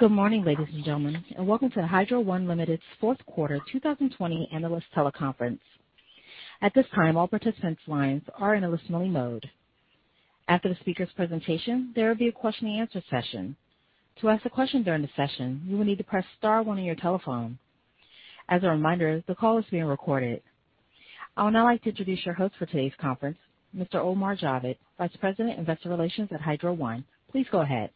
Good morning, ladies and gentlemen, and welcome to Hydro One Limited's fourth quarter 2020 analyst teleconference. At this time, all participants' lines are in a listening mode. After the speaker's presentation, there will be a question and answer session. To ask a question during the session, you will need to press star one on your telephone. As a reminder, the call is being recorded. I would now like to introduce your host for today's conference, Mr. Omar Javed, Vice President Investor Relations at Hydro One. Please go ahead.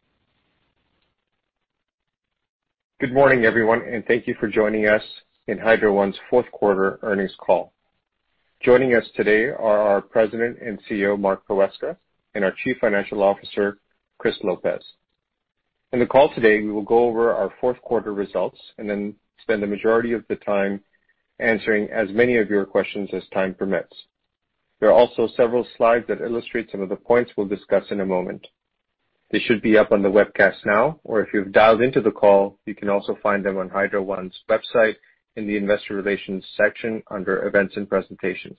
Good morning, everyone, and thank you for joining us in Hydro One's fourth quarter earnings call. Joining us today are our President and CEO, Mark Poweska, and our Chief Financial Officer, Chris Lopez. In the call today, we will go over our fourth quarter results and then spend the majority of the time answering as many of your questions as time permits. There are also several slides that illustrate some of the points we'll discuss in a moment. They should be up on the webcast now, or if you've dialed into the call, you can also find them on Hydro One's website in the investor relations section under events and presentations.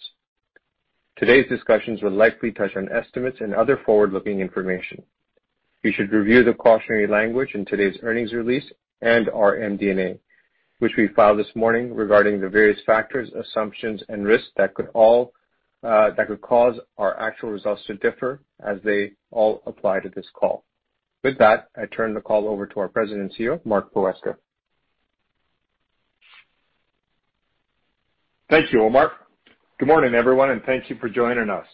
Today's discussions will likely touch on estimates and other forward-looking information. You should review the cautionary language in today's earnings release and our MD&A, which we filed this morning, regarding the various factors, assumptions, and risks that could cause our actual results to differ as they all apply to this call. With that, I turn the call over to our President and CEO, Mark Poweska. Thank you, Omar. Good morning, everyone, and thank you for joining us.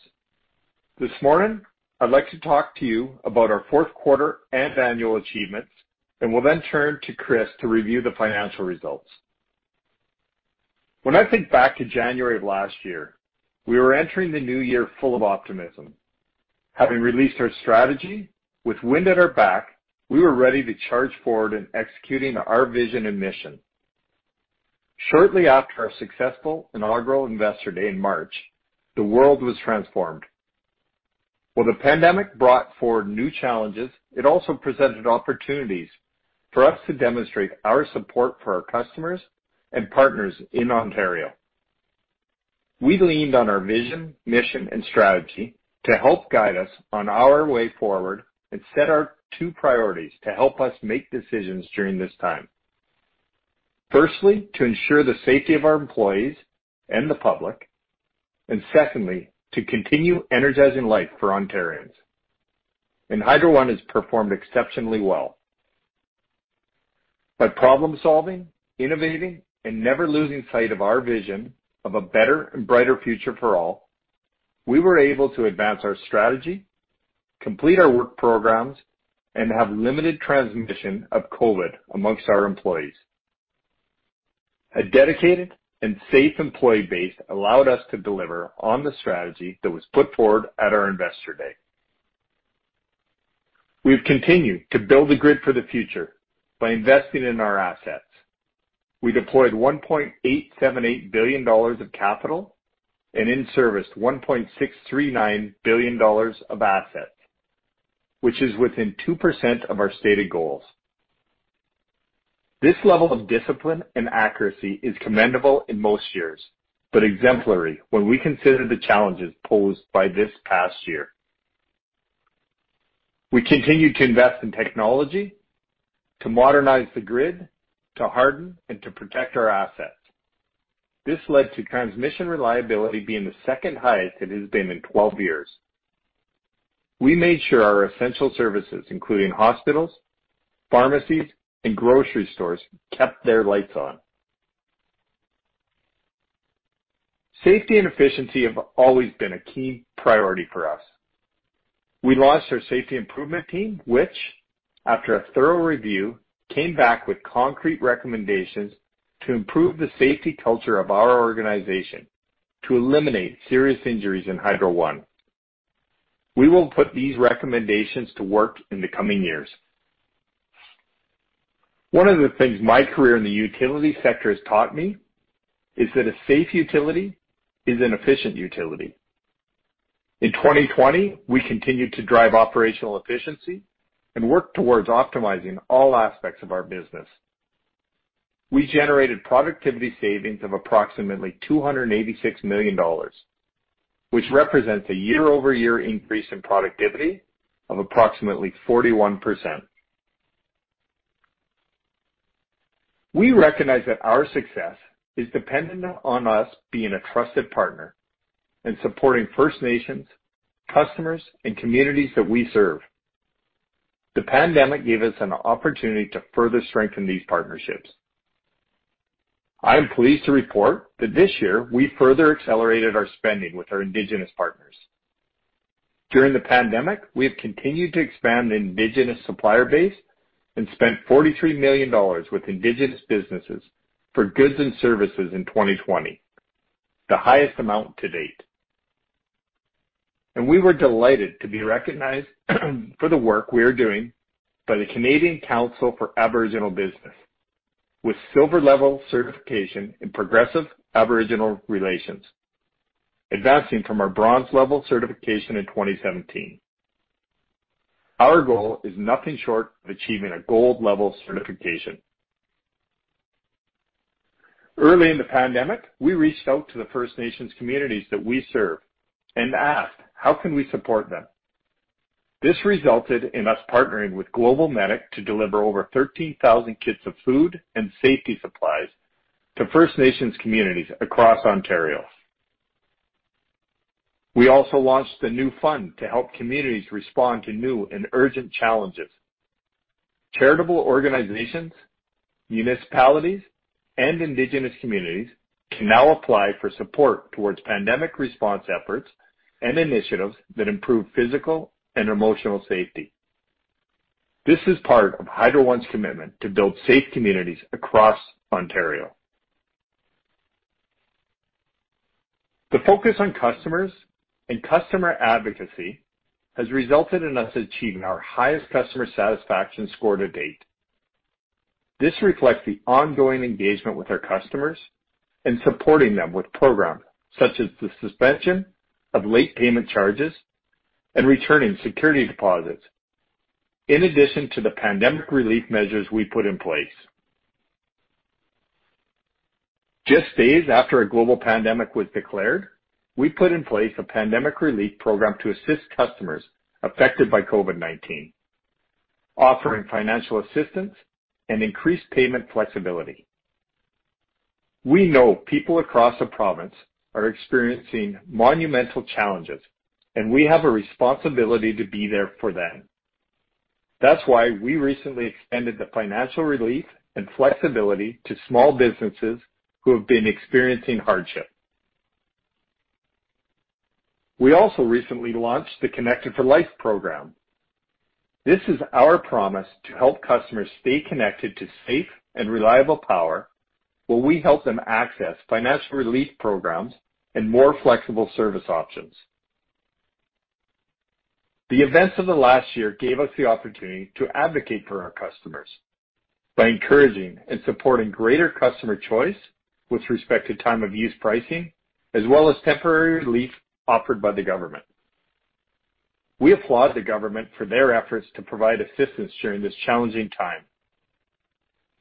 This morning, I'd like to talk to you about our fourth quarter and annual achievements, and will then turn to Chris to review the financial results. When I think back to January of last year, we were entering the new year full of optimism. Having released our strategy with wind at our back, we were ready to charge forward in executing our vision and mission. Shortly after our successful inaugural Investor Day in March, the world was transformed. While the pandemic brought forward new challenges, it also presented opportunities for us to demonstrate our support for our customers and partners in Ontario. We leaned on our vision, mission, and strategy to help guide us on our way forward and set our two priorities to help us make decisions during this time. Firstly, to ensure the safety of our employees and the public, and secondly, to continue energizing life for Ontarians. Hydro One has performed exceptionally well. By problem-solving, innovating, and never losing sight of our vision of a better and brighter future for all, we were able to advance our strategy, complete our work programs, and have limited transmission of COVID amongst our employees. A dedicated and safe employee base allowed us to deliver on the strategy that was put forward at our Investor Day. We've continued to build a grid for the future by investing in our assets. We deployed 1.878 billion dollars of capital and in service 1.639 billion dollars of assets, which is within 2% of our stated goals. This level of discipline and accuracy is commendable in most years, but exemplary when we consider the challenges posed by this past year. We continued to invest in technology, to modernize the grid, to harden, and to protect our assets. This led to transmission reliability being the second highest it has been in 12 years. We made sure our essential services, including hospitals, pharmacies, and grocery stores, kept their lights on. Safety and efficiency have always been a key priority for us. We launched our safety improvement team, which, after a thorough review, came back with concrete recommendations to improve the safety culture of our organization to eliminate serious injuries in Hydro One. We will put these recommendations to work in the coming years. One of the things my career in the utility sector has taught me is that a safe utility is an efficient utility. In 2020, we continued to drive operational efficiency and work towards optimizing all aspects of our business. We generated productivity savings of approximately 286 million dollars, which represents a year-over-year increase in productivity of approximately 41%. We recognize that our success is dependent on us being a trusted partner and supporting First Nations, customers, and communities that we serve. The pandemic gave us an opportunity to further strengthen these partnerships. I am pleased to report that this year we further accelerated our spending with our Indigenous partners. During the pandemic, we have continued to expand the Indigenous supplier base and spent 43 million dollars with Indigenous businesses for goods and services in 2020, the highest amount to date. We were delighted to be recognized for the work we are doing by the Canadian Council for Aboriginal Business with silver-level certification in Progressive Aboriginal Relations, advancing from our bronze-level certification in 2017. Our goal is nothing short of achieving a gold-level certification. Early in the pandemic, we reached out to the First Nations communities that we serve and asked, how can we support them? This resulted in us partnering with GlobalMedic to deliver over 13,000 kits of food and safety supplies to First Nations communities across Ontario. We also launched a new fund to help communities respond to new and urgent challenges. Charitable organizations, municipalities, and Indigenous communities can now apply for support towards pandemic response efforts and initiatives that improve physical and emotional safety. This is part of Hydro One's commitment to build safe communities across Ontario. The focus on customers and customer advocacy has resulted in us achieving our highest customer satisfaction score to date. This reflects the ongoing engagement with our customers and supporting them with programs such as the suspension of late payment charges and returning security deposits, in addition to the pandemic relief measures we put in place. Just days after a global pandemic was declared, we put in place a pandemic relief program to assist customers affected by COVID-19, offering financial assistance and increased payment flexibility. We know people across the province are experiencing monumental challenges, and we have a responsibility to be there for them. That's why we recently extended the financial relief and flexibility to small businesses who have been experiencing hardship. We also recently launched the Connected for Life program. This is our promise to help customers stay connected to safe and reliable power, where we help them access financial relief programs and more flexible service options. The events of the last year gave us the opportunity to advocate for our customers by encouraging and supporting greater customer choice with respect to time of use pricing, as well as temporary relief offered by the government. We applaud the government for their efforts to provide assistance during this challenging time.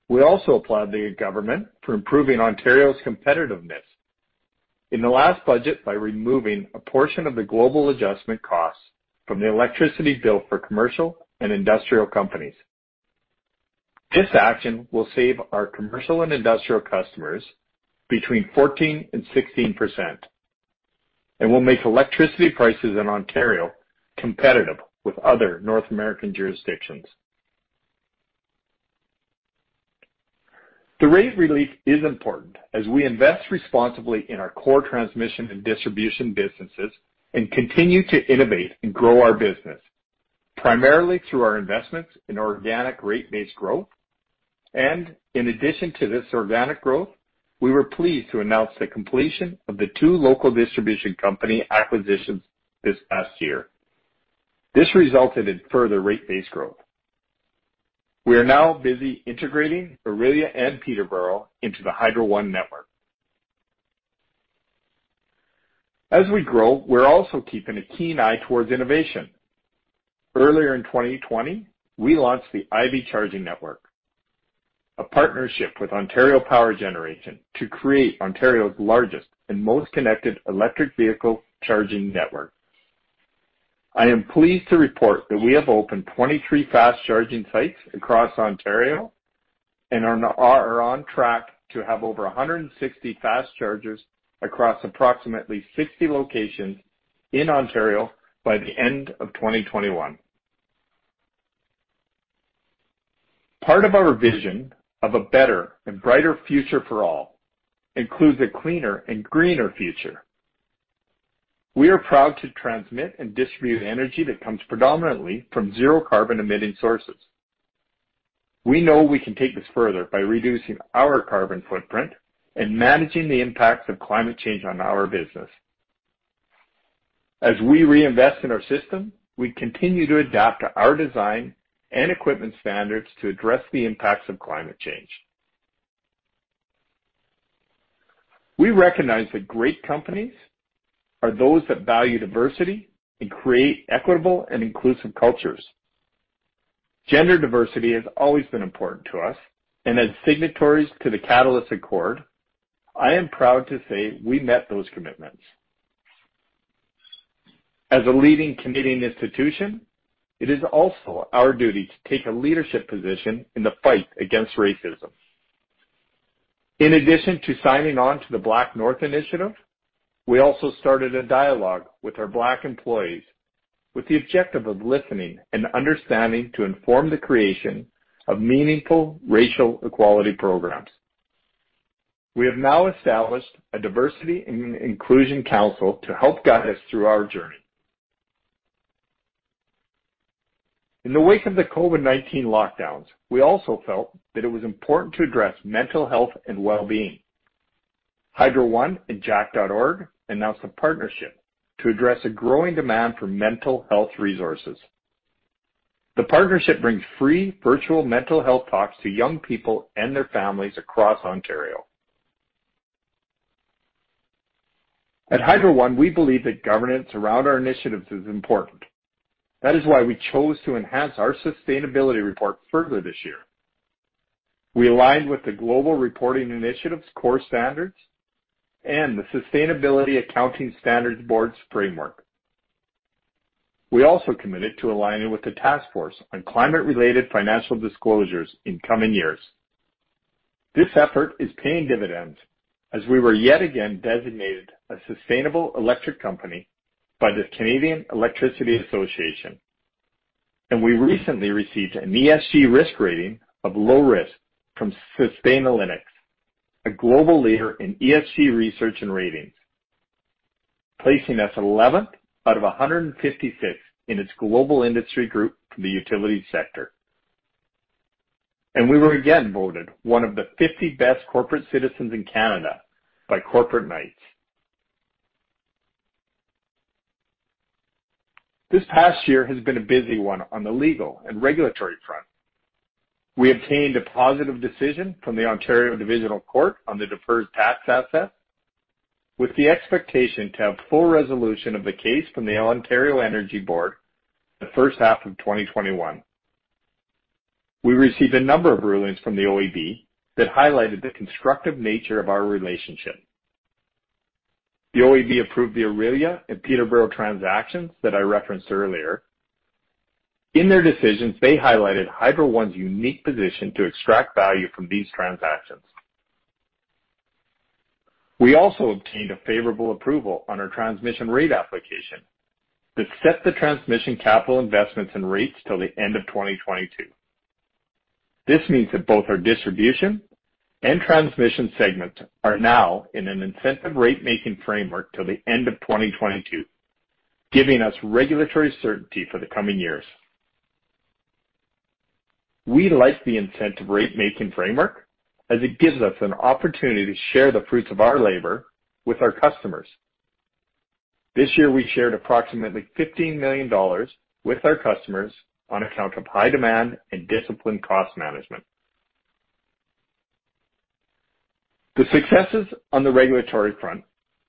We also applaud the government for improving Ontario's competitiveness in the last budget by removing a portion of the Global Adjustment costs from the electricity bill for commercial and industrial companies. This action will save our commercial and industrial customers between 14%-16% and will make electricity prices in Ontario competitive with other North American jurisdictions. The rate relief is important as we invest responsibly in our core transmission and distribution businesses and continue to innovate and grow our business, primarily through our investments in organic rate-based growth. In addition to this organic growth, we were pleased to announce the completion of the two local distribution company acquisitions this past year. This resulted in further rate-based growth. We are now busy integrating Orillia and Peterborough into the Hydro One network. As we grow, we're also keeping a keen eye towards innovation. Earlier in 2020, we launched the Ivy Charging Network, a partnership with Ontario Power Generation to create Ontario's largest and most connected electric vehicle charging network. I am pleased to report that we have opened 23 fast-charging sites across Ontario and are on track to have over 160 fast chargers across approximately 60 locations in Ontario by the end of 2021. Part of our vision of a better and brighter future for all includes a cleaner and greener future. We are proud to transmit and distribute energy that comes predominantly from zero-carbon-emitting sources. We know we can take this further by reducing our carbon footprint and managing the impacts of climate change on our business. As we reinvest in our system, we continue to adapt our design and equipment standards to address the impacts of climate change. We recognize that great companies are those that value diversity and create equitable and inclusive cultures. Gender diversity has always been important to us, and as signatories to the Catalyst Accord, I am proud to say we met those commitments. As a leading Canadian institution, it is also our duty to take a leadership position in the fight against racism. In addition to signing on to the BlackNorth Initiative, we also started a dialogue with our Black employees with the objective of listening and understanding to inform the creation of meaningful racial equality programs. We have now established a diversity and inclusion council to help guide us through our journey. In the wake of the COVID-19 lockdowns, we also felt that it was important to address mental health and wellbeing. Hydro One and jack.org announced a partnership to address a growing demand for mental health resources. The partnership brings free virtual mental health talks to young people and their families across Ontario. At Hydro One, we believe that governance around our initiatives is important. That is why we chose to enhance our sustainability report further this year. We aligned with the Global Reporting Initiative's core standards and the Sustainability Accounting Standards Board's framework. We also committed to aligning with the Task Force on Climate-related Financial Disclosures in coming years. This effort is paying dividends as we were yet again designated a sustainable electric company by the Canadian Electricity Association. We recently received an ESG risk rating of low risk from Sustainalytics, a global leader in ESG research and ratings, placing us 11th out of 156 in its global industry group for the utilities sector. We were again voted one of the 50 best corporate citizens in Canada by Corporate Knights. This past year has been a busy one on the legal and regulatory front. We obtained a positive decision from the Ontario Divisional Court on the deferred tax asset with the expectation to have full resolution of the case from the Ontario Energy Board the first half of 2021. We received a number of rulings from the OEB that highlighted the constructive nature of our relationship. The OEB approved the Orillia and Peterborough transactions that I referenced earlier. In their decisions, they highlighted Hydro One's unique position to extract value from these transactions. We also obtained a favorable approval on our transmission rate application that set the transmission capital investments and rates till the end of 2022. This means that both our distribution and transmission segments are now in an incentive rate-making framework till the end of 2022, giving us regulatory certainty for the coming years. We like the incentive rate-making framework as it gives us an opportunity to share the fruits of our labor with our customers. This year, we shared approximately 15 million dollars with our customers on account of high demand and disciplined cost management. The successes on the regulatory front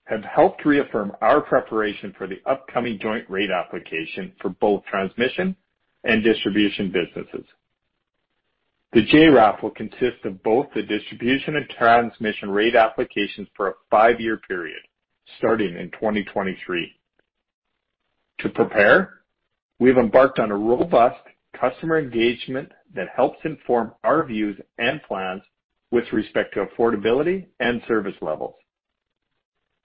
have helped reaffirm our preparation for the upcoming Joint Rate Application for both transmission and distribution businesses. The JRAP will consist of both the distribution and transmission rate applications for a five-year period, starting in 2023. To prepare, we've embarked on a robust customer engagement that helps inform our views and plans with respect to affordability and service levels.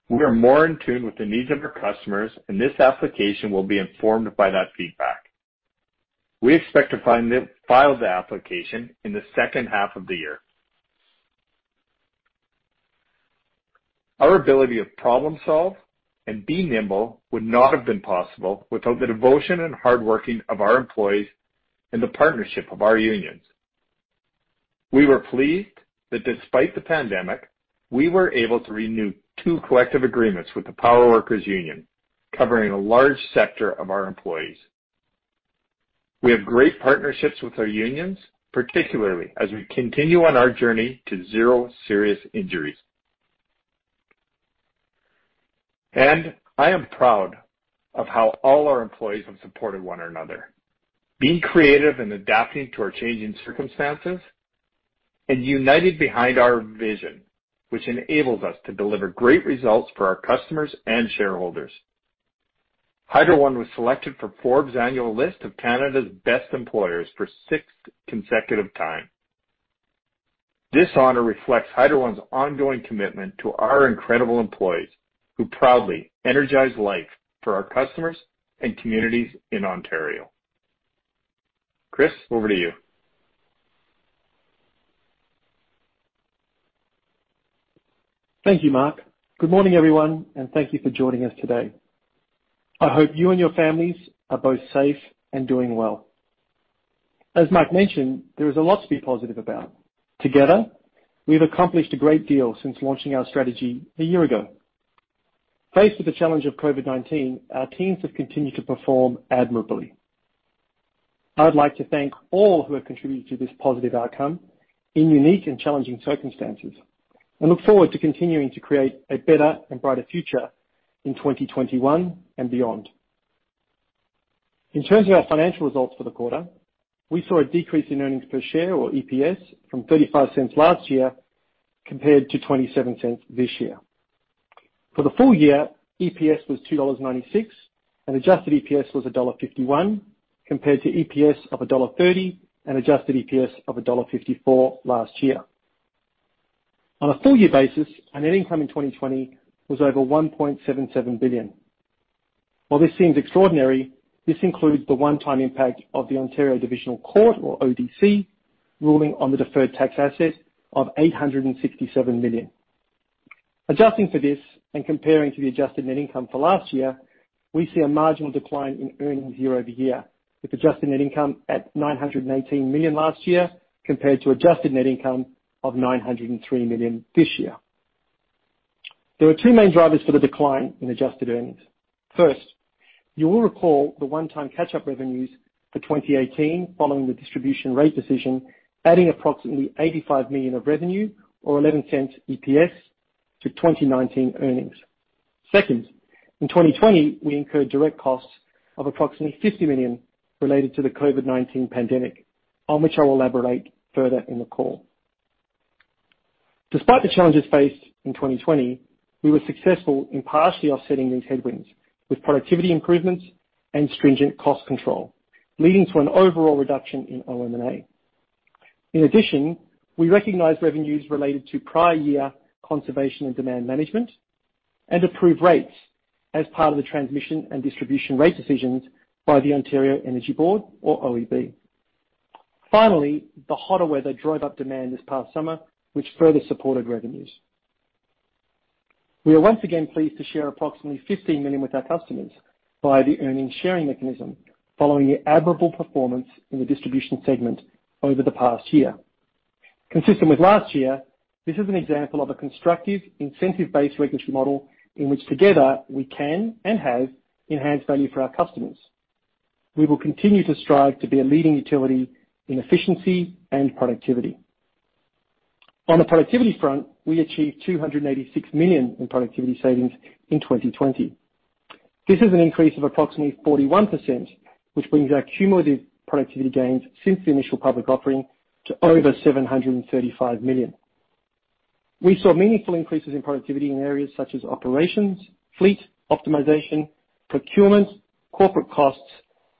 We are more in tune with the needs of our customers, and this application will be informed by that feedback. We expect to file the application in the second half of the year. Our ability to problem solve and be nimble would not have been possible without the devotion and hard working of our employees and the partnership of our unions. We were pleased that despite the pandemic, we were able to renew two collective agreements with the Power Workers' Union, covering a large sector of our employees. We have great partnerships with our unions, particularly as we continue on our journey to zero serious injuries. I am proud of how all our employees have supported one another, being creative and adapting to our changing circumstances, and united behind our vision, which enables us to deliver great results for our customers and shareholders. Hydro One was selected for Forbes annual list of Canada's Best Employers for the sixth consecutive time. This honor reflects Hydro One's ongoing commitment to our incredible employees, who proudly energize life for our customers and communities in Ontario. Chris, over to you. Thank you, Mark. Good morning, everyone. Thank you for joining us today. I hope you and your families are both safe and doing well. As Mark mentioned, there is a lot to be positive about. Together, we've accomplished a great deal since launching our strategy a year ago. Faced with the challenge of COVID-19, our teams have continued to perform admirably. I'd like to thank all who have contributed to this positive outcome in unique and challenging circumstances and look forward to continuing to create a better and brighter future in 2021 and beyond. In terms of our financial results for the quarter, we saw a decrease in earnings per share or EPS from 0.35 last year compared to 0.27 this year. For the full year, EPS was CAD 2.96 and adjusted EPS was CAD 1.51 compared to EPS of CAD 1.30 and adjusted EPS of CAD 1.54 last year. On a full-year basis, our net income in 2020 was over 1.77 billion. While this seems extraordinary, this includes the one-time impact of the Ontario Divisional Court or ODC ruling on the deferred tax asset of 867 million. Adjusting for this and comparing to the adjusted net income for last year, we see a marginal decline in earnings year-over-year with adjusted net income at 918 million last year compared to adjusted net income of 903 million this year. There are two main drivers for the decline in adjusted earnings. First, you will recall the one-time catch-up revenues for 2018 following the distribution rate decision, adding approximately 85 million of revenue or 0.11 EPS to 2019 earnings. Second, in 2020, we incurred direct costs of approximately 50 million related to the COVID-19 pandemic, on which I will elaborate further in the call. Despite the challenges faced in 2020, we were successful in partially offsetting these headwinds with productivity improvements and stringent cost control, leading to an overall reduction in OM&A. In addition, we recognized revenues related to prior year conservation and demand management and approved rates as part of the transmission and distribution rate decisions by the Ontario Energy Board, or OEB. Finally, the hotter weather drove up demand this past summer, which further supported revenues. We are once again pleased to share approximately 15 million with our customers via the earnings sharing mechanism following the admirable performance in the distribution segment over the past year. Consistent with last year, this is an example of a constructive incentive-based regulatory model in which together we can, and have, enhanced value for our customers. We will continue to strive to be a leading utility in efficiency and productivity. On the productivity front, we achieved 286 million in productivity savings in 2020. This is an increase of approximately 41%, which brings our cumulative productivity gains since the initial public offering to over 735 million. We saw meaningful increases in productivity in areas such as operations, fleet optimization, procurement, corporate costs,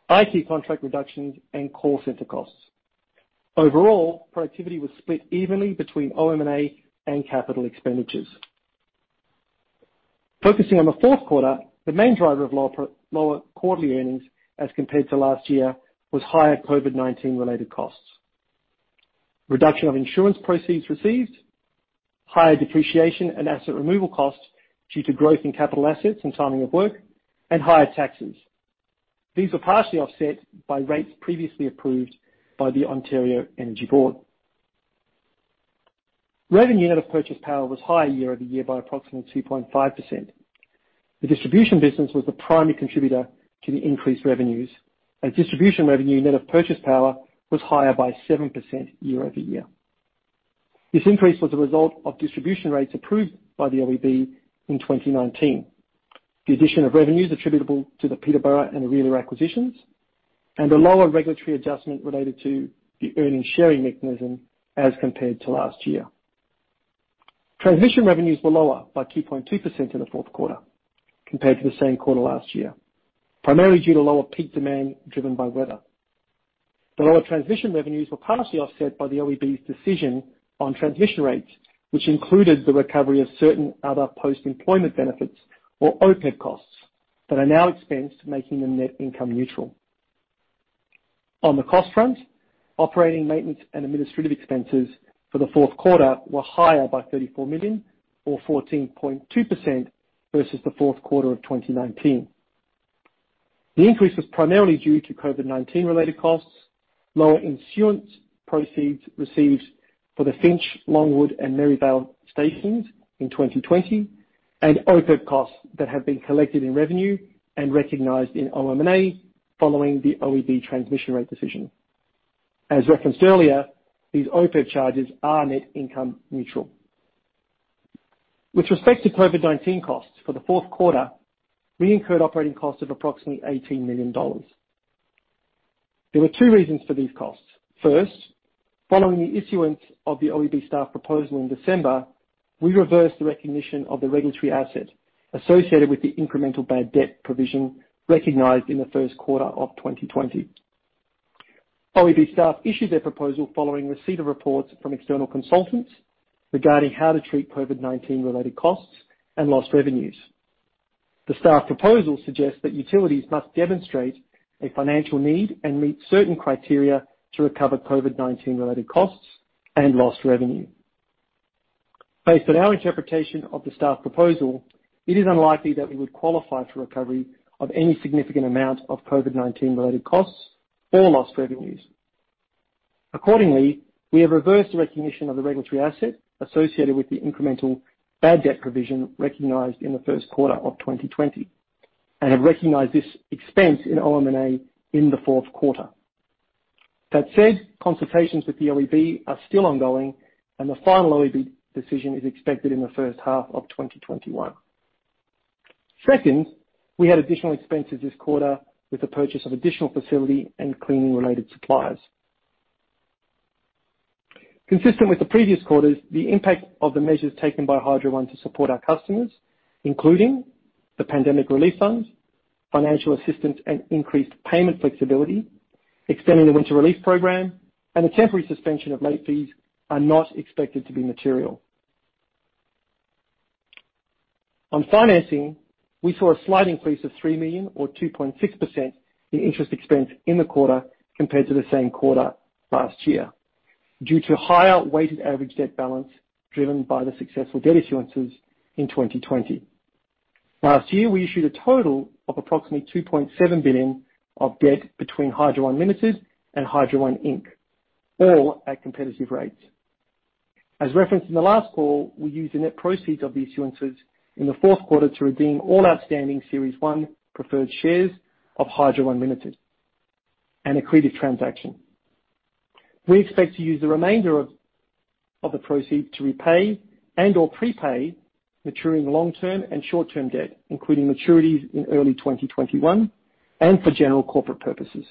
IT contract reductions, and call center costs. Overall, productivity was split evenly between OM&A and capital expenditures. Focusing on the fourth quarter, the main driver of lower quarterly earnings as compared to last year was higher COVID-19-related costs, reduction of insurance proceeds received, higher depreciation and asset removal costs due to growth in capital assets and timing of work, and higher taxes. These were partially offset by rates previously approved by the Ontario Energy Board. Revenue net of purchase power was higher year-over-year by approximately 2.5%. The distribution business was the primary contributor to the increased revenues, as distribution revenue net of purchase power was higher by 7% year-over-year. This increase was a result of distribution rates approved by the OEB in 2019. The addition of revenues attributable to the Peterborough and the Orillia acquisitions, and a lower regulatory adjustment related to the earnings sharing mechanism as compared to last year. Transmission revenues were lower by 2.2% in the fourth quarter compared to the same quarter last year, primarily due to lower peak demand driven by weather. The lower transmission revenues were partially offset by the OEB's decision on transmission rates, which included the recovery of certain other post-employment benefits or OPEB costs that are now expensed, making them net income neutral. On the cost front, operating maintenance and administrative expenses for the fourth quarter were higher by 34 million or 14.2% versus the fourth quarter of 2019. The increase was primarily due to COVID-19 related costs, lower insurance proceeds received for the Finch, Longwood, and Merivale stations in 2020, and OPEB costs that have been collected in revenue and recognized in OM&A following the OEB transmission rate decision. As referenced earlier, these OPEB charges are net income neutral. With respect to COVID-19 costs, for the fourth quarter, we incurred operating costs of approximately CAD 18 million. There were two reasons for these costs. First, following the issuance of the OEB staff proposal in December, we reversed the recognition of the regulatory asset associated with the incremental bad debt provision recognized in the first quarter of 2020. OEB staff issued their proposal following receipt of reports from external consultants regarding how to treat COVID-19-related costs and lost revenues. The staff proposal suggests that utilities must demonstrate a financial need and meet certain criteria to recover COVID-19-related costs and lost revenue. Based on our interpretation of the staff proposal, it is unlikely that we would qualify for recovery of any significant amount of COVID-19-related costs or lost revenues. Accordingly, we have reversed the recognition of the regulatory asset associated with the incremental bad debt provision recognized in the first quarter of 2020 and have recognized this expense in OM&A in the fourth quarter. That said, consultations with the OEB are still ongoing and the final OEB decision is expected in the first half of 2021. Second, we had additional expenses this quarter with the purchase of additional facility and cleaning-related suppliers. Consistent with the previous quarters, the impact of the measures taken by Hydro One to support our customers, including the pandemic relief funds, financial assistance, and increased payment flexibility, extending the winter relief program, and the temporary suspension of late fees are not expected to be material. On financing, we saw a slight increase of 3 million or 2.6% in interest expense in the quarter compared to the same quarter last year due to higher weighted average debt balance driven by the successful debt issuances in 2020. Last year, we issued a total of approximately 2.7 billion of debt between Hydro One Limited and Hydro One Inc., all at competitive rates. Referenced in the last call, we used the net proceeds of the issuances in the fourth quarter to redeem all outstanding Series 1 preferred shares of Hydro One Limited, an accretive transaction. We expect to use the remainder of the proceeds to repay and/or prepay maturing long-term and short-term debt, including maturities in early 2021, and for general corporate purposes.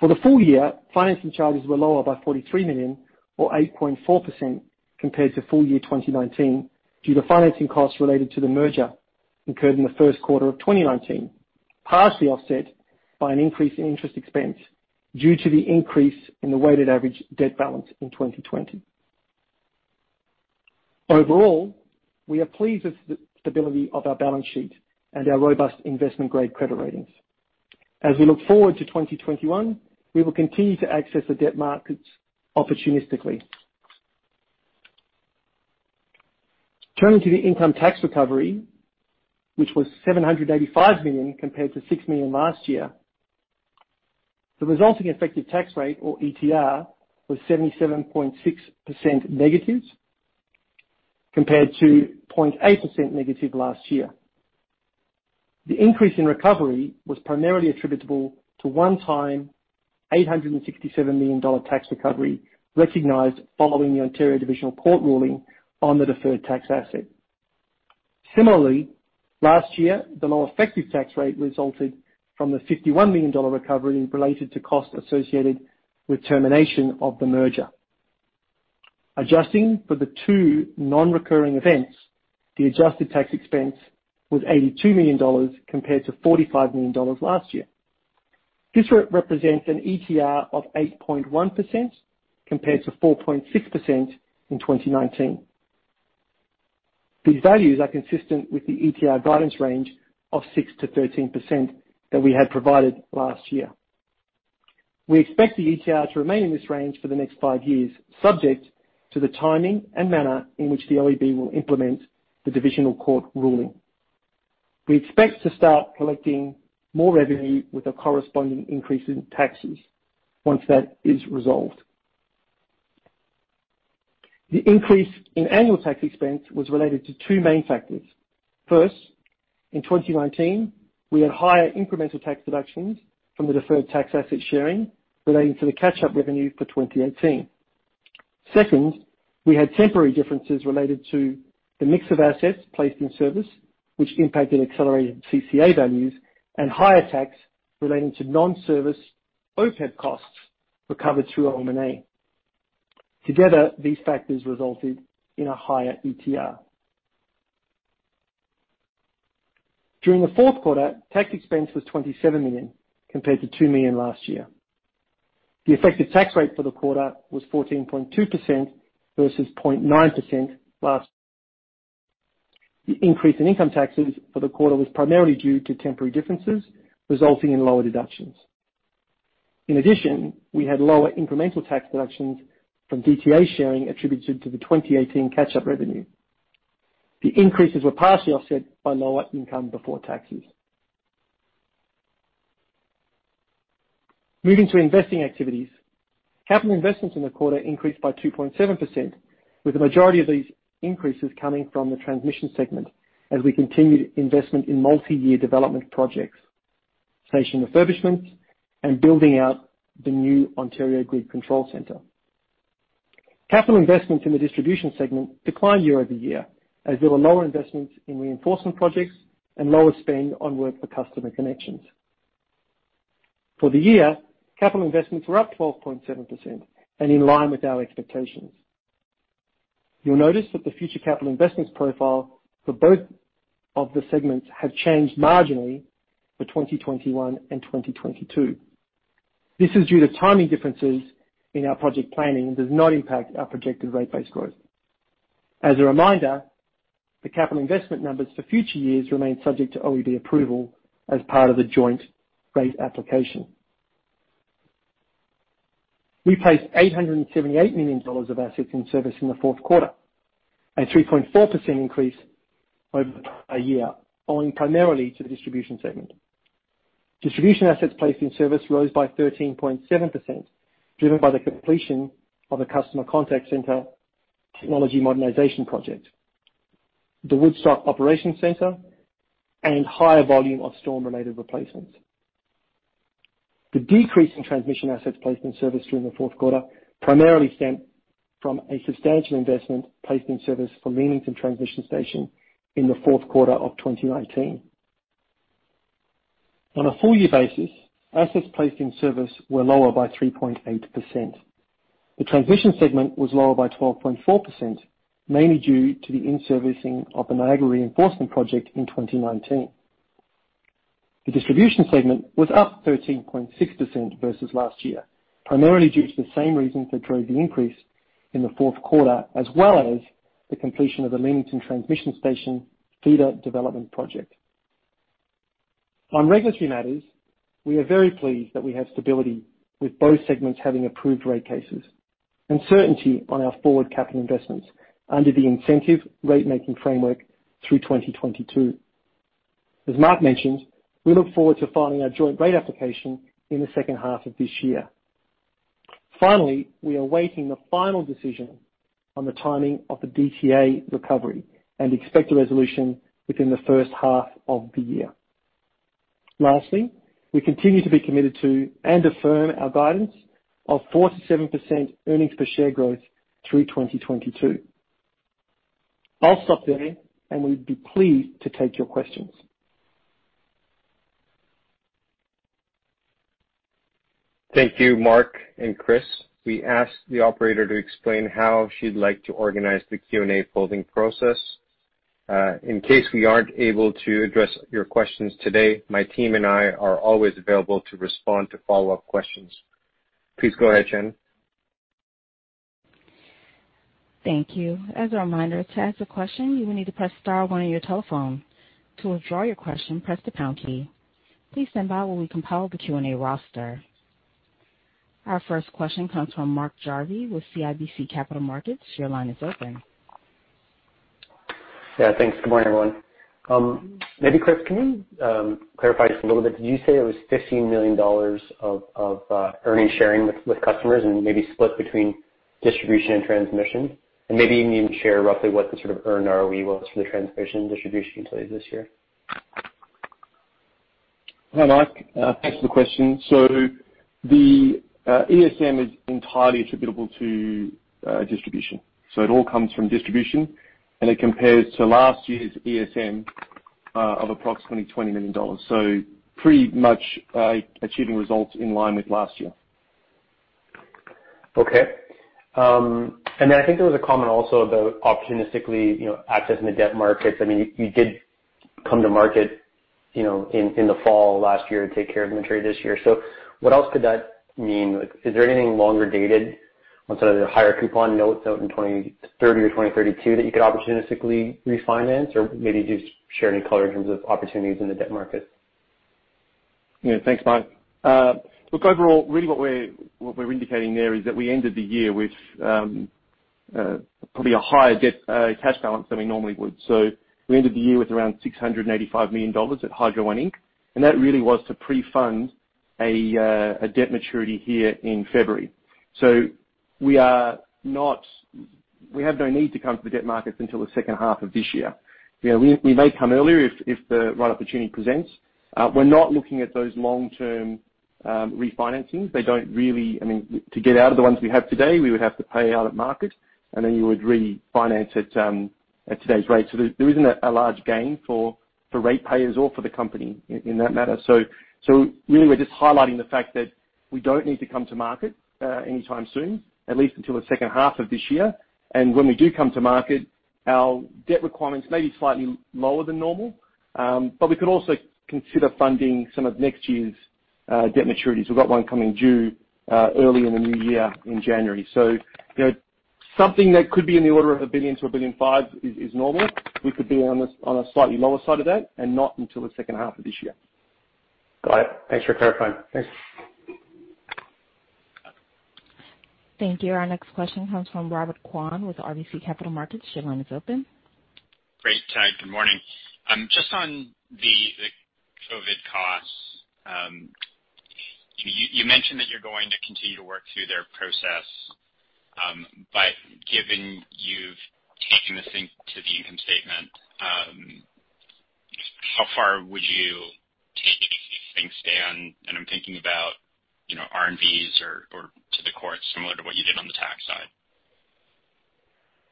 For the full year, financing charges were lower by 43 million, or 8.4% compared to full year 2019, due to financing costs related to the merger incurred in the first quarter of 2019, partially offset by an increase in interest expense due to the increase in the weighted average debt balance in 2020. Overall, we are pleased with the stability of our balance sheet and our robust investment-grade credit ratings. We look forward to 2021, we will continue to access the debt markets opportunistically. Turning to the income tax recovery, which was 785 million compared to 6 million last year. The resulting effective tax rate, or ETR, was 77.6% negative, compared to 0.8% negative last year. The increase in recovery was primarily attributable to one-time 867 million dollar tax recovery recognized following the Ontario Divisional Court ruling on the deferred tax asset. Similarly, last year, the low effective tax rate resulted from the 51 million dollar recovery related to costs associated with termination of the merger. Adjusting for the two non-recurring events, the adjusted tax expense was 82 million dollars compared to 45 million dollars last year. This represents an ETR of 8.1% compared to 4.6% in 2019. These values are consistent with the ETR guidance range of 6%-13% that we had provided last year. We expect the ETR to remain in this range for the next five years, subject to the timing and manner in which the OEB will implement the Divisional Court ruling. We expect to start collecting more revenue with a corresponding increase in taxes once that is resolved. The increase in annual tax expense was related to two main factors. First, in 2019, we had higher incremental tax deductions from the deferred tax asset sharing relating to the catch-up revenue for 2018. Second, we had temporary differences related to the mix of assets placed in service, which impacted accelerated CCA values and higher tax relating to non-service OPEX costs recovered through O&M. Together, these factors resulted in a higher ETR. During the fourth quarter, tax expense was 27 million compared to 2 million last year. The effective tax rate for the quarter was 14.2% versus 0.9% last. The increase in income taxes for the quarter was primarily due to temporary differences, resulting in lower deductions. In addition, we had lower incremental tax deductions from DTA sharing attributed to the 2018 catch-up revenue. The increases were partially offset by lower income before taxes. Moving to investing activities. Capital investments in the quarter increased by 2.7%, with the majority of these increases coming from the transmission segment as we continued investment in multi-year development projects, station refurbishments, and building out the new Ontario Grid Control Center. Capital investments in the distribution segment declined year-over-year, as there were lower investments in reinforcement projects and lower spend on work for customer connections. For the year, capital investments were up 12.7% and in line with our expectations. You'll notice that the future capital investments profile for both of the segments have changed marginally for 2021 and 2022. This is due to timing differences in our project planning and does not impact our projected rate base growth. As a reminder, the capital investment numbers for future years remain subject to OEB approval as part of the Joint Rate Application. We placed 878 million dollars of assets in service in the fourth quarter, a 3.4% increase over the prior year, owing primarily to the distribution segment. Distribution assets placed in service rose by 13.7%, driven by the completion of a customer contact center technology modernization project, the Woodstock Operations Center, and higher volume of storm-related replacements. The decrease in transmission assets placed in service during the fourth quarter primarily stemmed from a substantial investment placed in service for Leamington Transmission Station in the fourth quarter of 2019. On a full-year basis, assets placed in service were lower by 3.8%. The transmission segment was lower by 12.4%, mainly due to the in-servicing of the Niagara Reinforcement Project in 2019. The distribution segment was up 13.6% versus last year, primarily due to the same reasons that drove the increase in the fourth quarter, as well as the completion of the Leamington Transmission Station feeder development project. On regulatory matters, we are very pleased that we have stability with both segments having approved rate cases and certainty on our forward capital investments under the incentive rate-making framework through 2022. As Mark mentioned, we look forward to filing our Joint Rate Application in the second half of this year. Finally, we are awaiting the final decision on the timing of the DTA recovery and expect a resolution within the first half of the year. Lastly, we continue to be committed to, and affirm our guidance of 4% to 7% earnings per share growth through 2022. I'll stop there, and we'd be pleased to take your questions. Thank you, Mark and Chris. We asked the operator to explain how she'd like to organize the Q&A polling process. In case we aren't able to address your questions today, my team and I are always available to respond to follow-up questions. Please go ahead, Jen. Thank you. As a reminder, to ask a question, you will need to press star one on your telephone. To withdraw your question, press the pound key. Please stand by while we compile the Q&A roster. Our first question comes from Mark Jarvi with CIBC Capital Markets. Your line is open. Yeah, thanks. Good morning, everyone. Maybe Chris, can you clarify just a little bit, did you say it was 15 million dollars of earnings sharing with customers and maybe split between distribution and transmission? Maybe you can even share roughly what the sort of earned ROE was for the transmission distribution utilities this year? Hi, Mark. Thanks for the question. The ESM is entirely attributable to distribution. It all comes from distribution, and it compares to last year's ESM of approximately 20 million dollars. Pretty much achieving results in line with last year. Okay. I think there was a comment also about opportunistically accessing the debt markets. You did come to market in the fall of last year to take care of the trade this year. What else could that mean? Is there anything longer dated on some of the higher coupon notes out in 2030 or 2032 that you could opportunistically refinance? Maybe just share any color in terms of opportunities in the debt market. Thanks, Mark. Look, overall, really what we're indicating there is that we ended the year with probably a higher debt cash balance than we normally would. We ended the year with around 685 million dollars at Hydro One Inc., and that really was to pre-fund a debt maturity here in February. We have no need to come to the debt markets until the second half of this year. We may come earlier if the right opportunity presents. We're not looking at those long-term refinancings. To get out of the ones we have today, we would have to pay out at market, and then you would refinance at today's rate. There isn't a large gain for rate payers or for the company in that matter. Really, we're just highlighting the fact that we don't need to come to market anytime soon, at least until the second half of this year. When we do come to market, our debt requirements may be slightly lower than normal, but we could also consider funding some of next year's debt maturities. We've got one coming due early in the new year in January. Something that could be in the order of 1 billion-1.5 billion is normal. We could be on a slightly lower side of that and not until the second half of this year. Got it. Thanks for clarifying. Thanks. Thank you. Our next question comes from Robert Kwan with RBC Capital Markets. Your line is open. Great. Good morning. Just on the COVID costs. You mentioned that you're going to continue to work through their process. Given you've taken this into the income statement, how far would you take anything stand? I'm thinking about R&Vs or to the courts, similar to what you did on the tax side.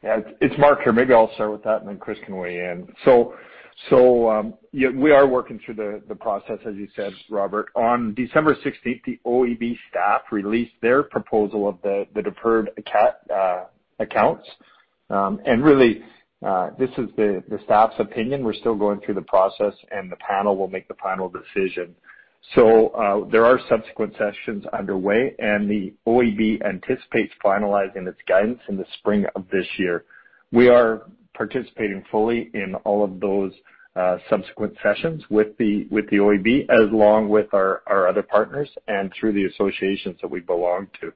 Yeah, it's Mark here. Maybe I'll start with that, and then Chris can weigh in. We are working through the process, as you said, Robert. On December 16th, the OEB staff released their proposal of the deferred accounts. Really, this is the staff's opinion. We're still going through the process, and the panel will make the final decision. There are subsequent sessions underway, and the OEB anticipates finalizing its guidance in the spring of this year. We are participating fully in all of those subsequent sessions with the OEB along with our other partners and through the associations that we belong to.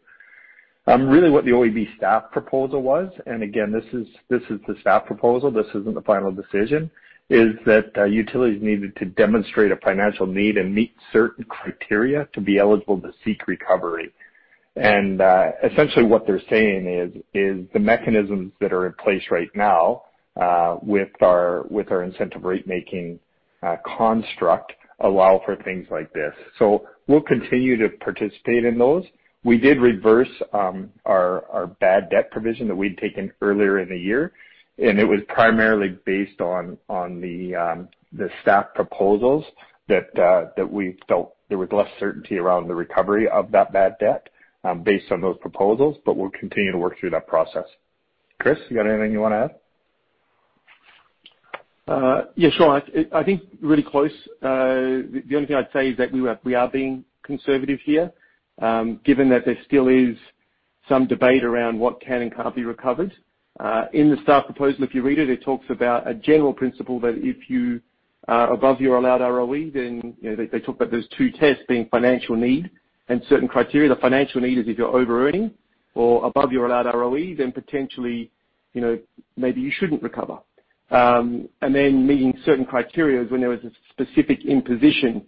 Really what the OEB staff proposal was, and again, this is the staff proposal, this isn't the final decision, is that utilities needed to demonstrate a financial need and meet certain criteria to be eligible to seek recovery. Essentially what they're saying is the mechanisms that are in place right now, with our incentive rate-making construct, allow for things like this. We'll continue to participate in those. We did reverse our bad debt provision that we'd taken earlier in the year. It was primarily based on the staff proposals that we felt there was less certainty around the recovery of that bad debt based on those proposals. We'll continue to work through that process. Chris, you got anything you want to add? Yeah, sure. I think really close. The only thing I'd say is that we are being conservative here. Given that there still is some debate around what can and can't be recovered. In the staff proposal, if you read it talks about a general principle that if you are above your allowed ROE, then they talk about those two tests being financial need and certain criteria. The financial need is if you're overearning or above your allowed ROE, then potentially, maybe you shouldn't recover. Then meeting certain criterias when there was a specific imposition,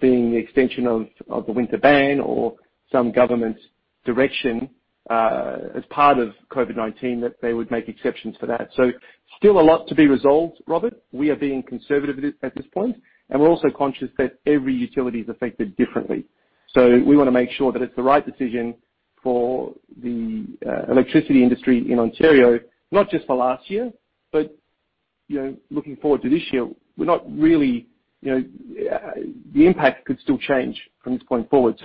being the extension of the winter ban or some government direction, as part of COVID-19, that they would make exceptions for that. Still a lot to be resolved, Robert. We are being conservative at this point, and we're also conscious that every utility is affected differently. We want to make sure that it's the right decision for the electricity industry in Ontario, not just for last year, but looking forward to this year. The impact could still change from this point forward.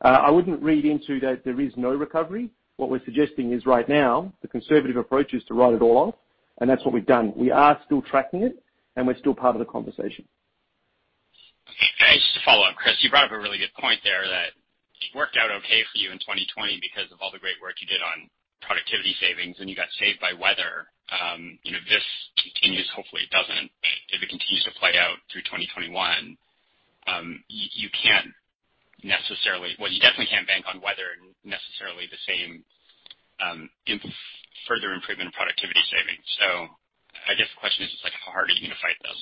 I wouldn't read into that there is no recovery. What we're suggesting is right now, the conservative approach is to write it all off, and that's what we've done. We are still tracking it, and we're still part of the conversation. Just to follow up, Chris, you brought up a really good point there that it worked out okay for you in 2020 because of all the great work you did on productivity savings, and you got saved by weather. If this continues, hopefully it doesn't, but if it continues to play out through 2021, you definitely can't bank on weather necessarily the same further improvement in productivity savings. I guess the question is just like, how hard are you going to fight this?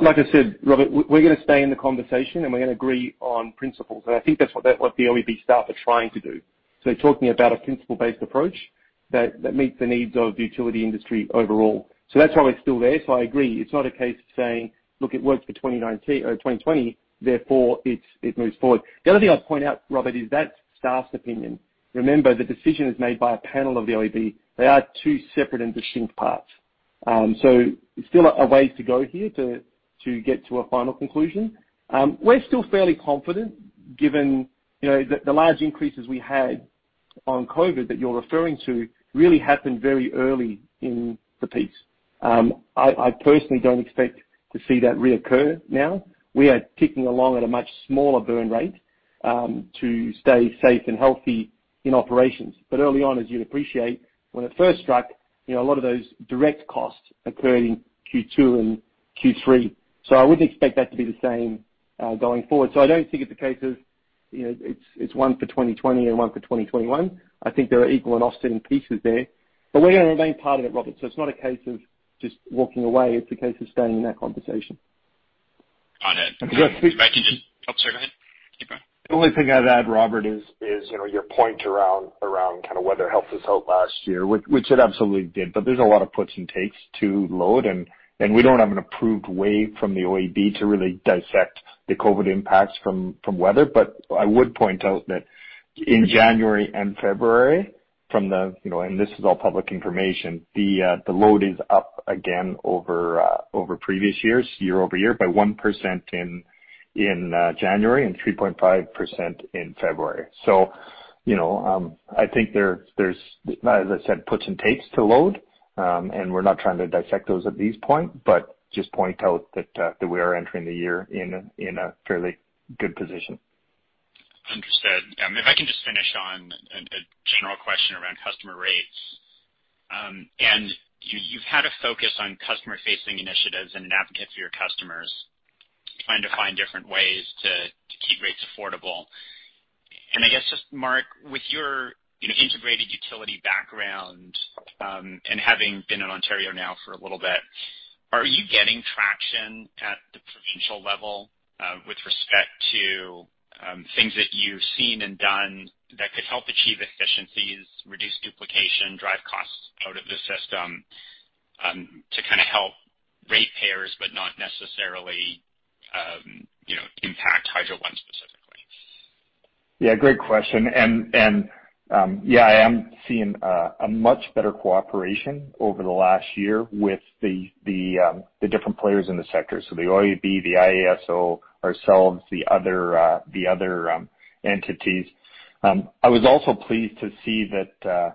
Like I said, Robert, we're going to stay in the conversation, we're going to agree on principles. I think that's what the OEB staff are trying to do. Talking about a principle-based approach that meets the needs of the utility industry overall. That's why we're still there. I agree, it's not a case of saying, look, it worked for 2019 or 2020, therefore it moves forward. The other thing I'd point out, Robert, is that's staff's opinion. Remember, the decision is made by a panel of the OEB. They are two separate and distinct parts. There's still a ways to go here to get to a final conclusion. We're still fairly confident given the large increases we had on COVID that you're referring to really happened very early in the piece. I personally don't expect to see that reoccur now. We are ticking along at a much smaller burn rate, to stay safe and healthy in operations. Early on, as you'd appreciate, when it first struck, a lot of those direct costs occurred in Q2 and Q3. I wouldn't expect that to be the same, going forward. I don't think it's a case of it's one for 2020 and one for 2021. I think there are equal and offsetting pieces there. We're going to remain part of it, Robert. It's not a case of just walking away. It's a case of staying in that conversation. Got it. Oh, sorry, go ahead. Keep going. The only thing I'd add, Robert, is your point around kind of weather helped us out last year, which it absolutely did, but there's a lot of puts and takes to load, and we don't have an approved way from the OEB to really dissect the COVID impacts from weather. I would point out that in January and February, and this is all public information, the load is up again over previous years, year-over-year, by 1% in January and 3.5% in February. I think there's, as I said, puts and takes to load. We're not trying to dissect those at this point, but just point out that we are entering the year in a fairly good position. Understood. If I can just finish on a general question around customer rates. You've had a focus on customer-facing initiatives and an advocate for your customers trying to find different ways to keep rates affordable. I guess just Mark, with your integrated utility background, and having been in Ontario now for a little bit, are you getting traction at the provincial level, with respect to things that you've seen and done that could help achieve efficiencies, reduce duplication, drive costs out of the system, to help ratepayers, but not necessarily impact Hydro One specifically? Great question. I am seeing a much better cooperation over the last year with the different players in the sector. The OEB, the IESO, ourselves, the other entities. I was also pleased to see that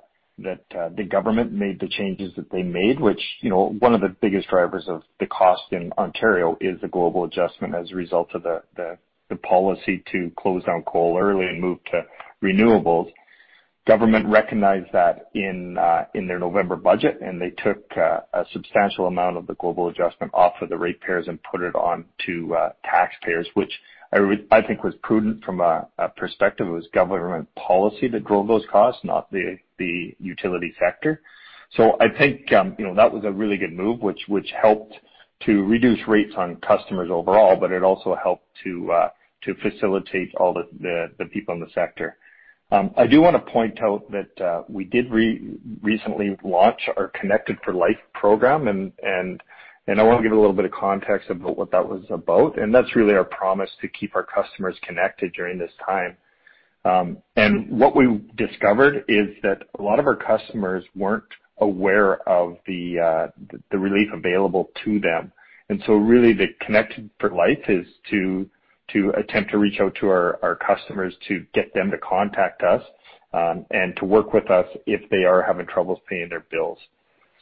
the government made the changes that they made, which one of the biggest drivers of the cost in Ontario is the Global Adjustment as a result of the policy to close down coal early and move to renewables. Government recognized that in their November budget. They took a substantial amount of the Global Adjustment off of the ratepayers and put it on to taxpayers, which I think was prudent from a perspective. It was government policy that drove those costs, not the utility sector. I think that was a really good move, which helped to reduce rates on customers overall, but it also helped to facilitate all the people in the sector. I do want to point out that we did recently launch our Connected for Life program. I want to give it a little bit of context about what that was about. That's really our promise to keep our customers connected during this time. What we discovered is that a lot of our customers weren't aware of the relief available to them. Really, the Connected for Life is to attempt to reach out to our customers to get them to contact us, and to work with us if they are having trouble paying their bills.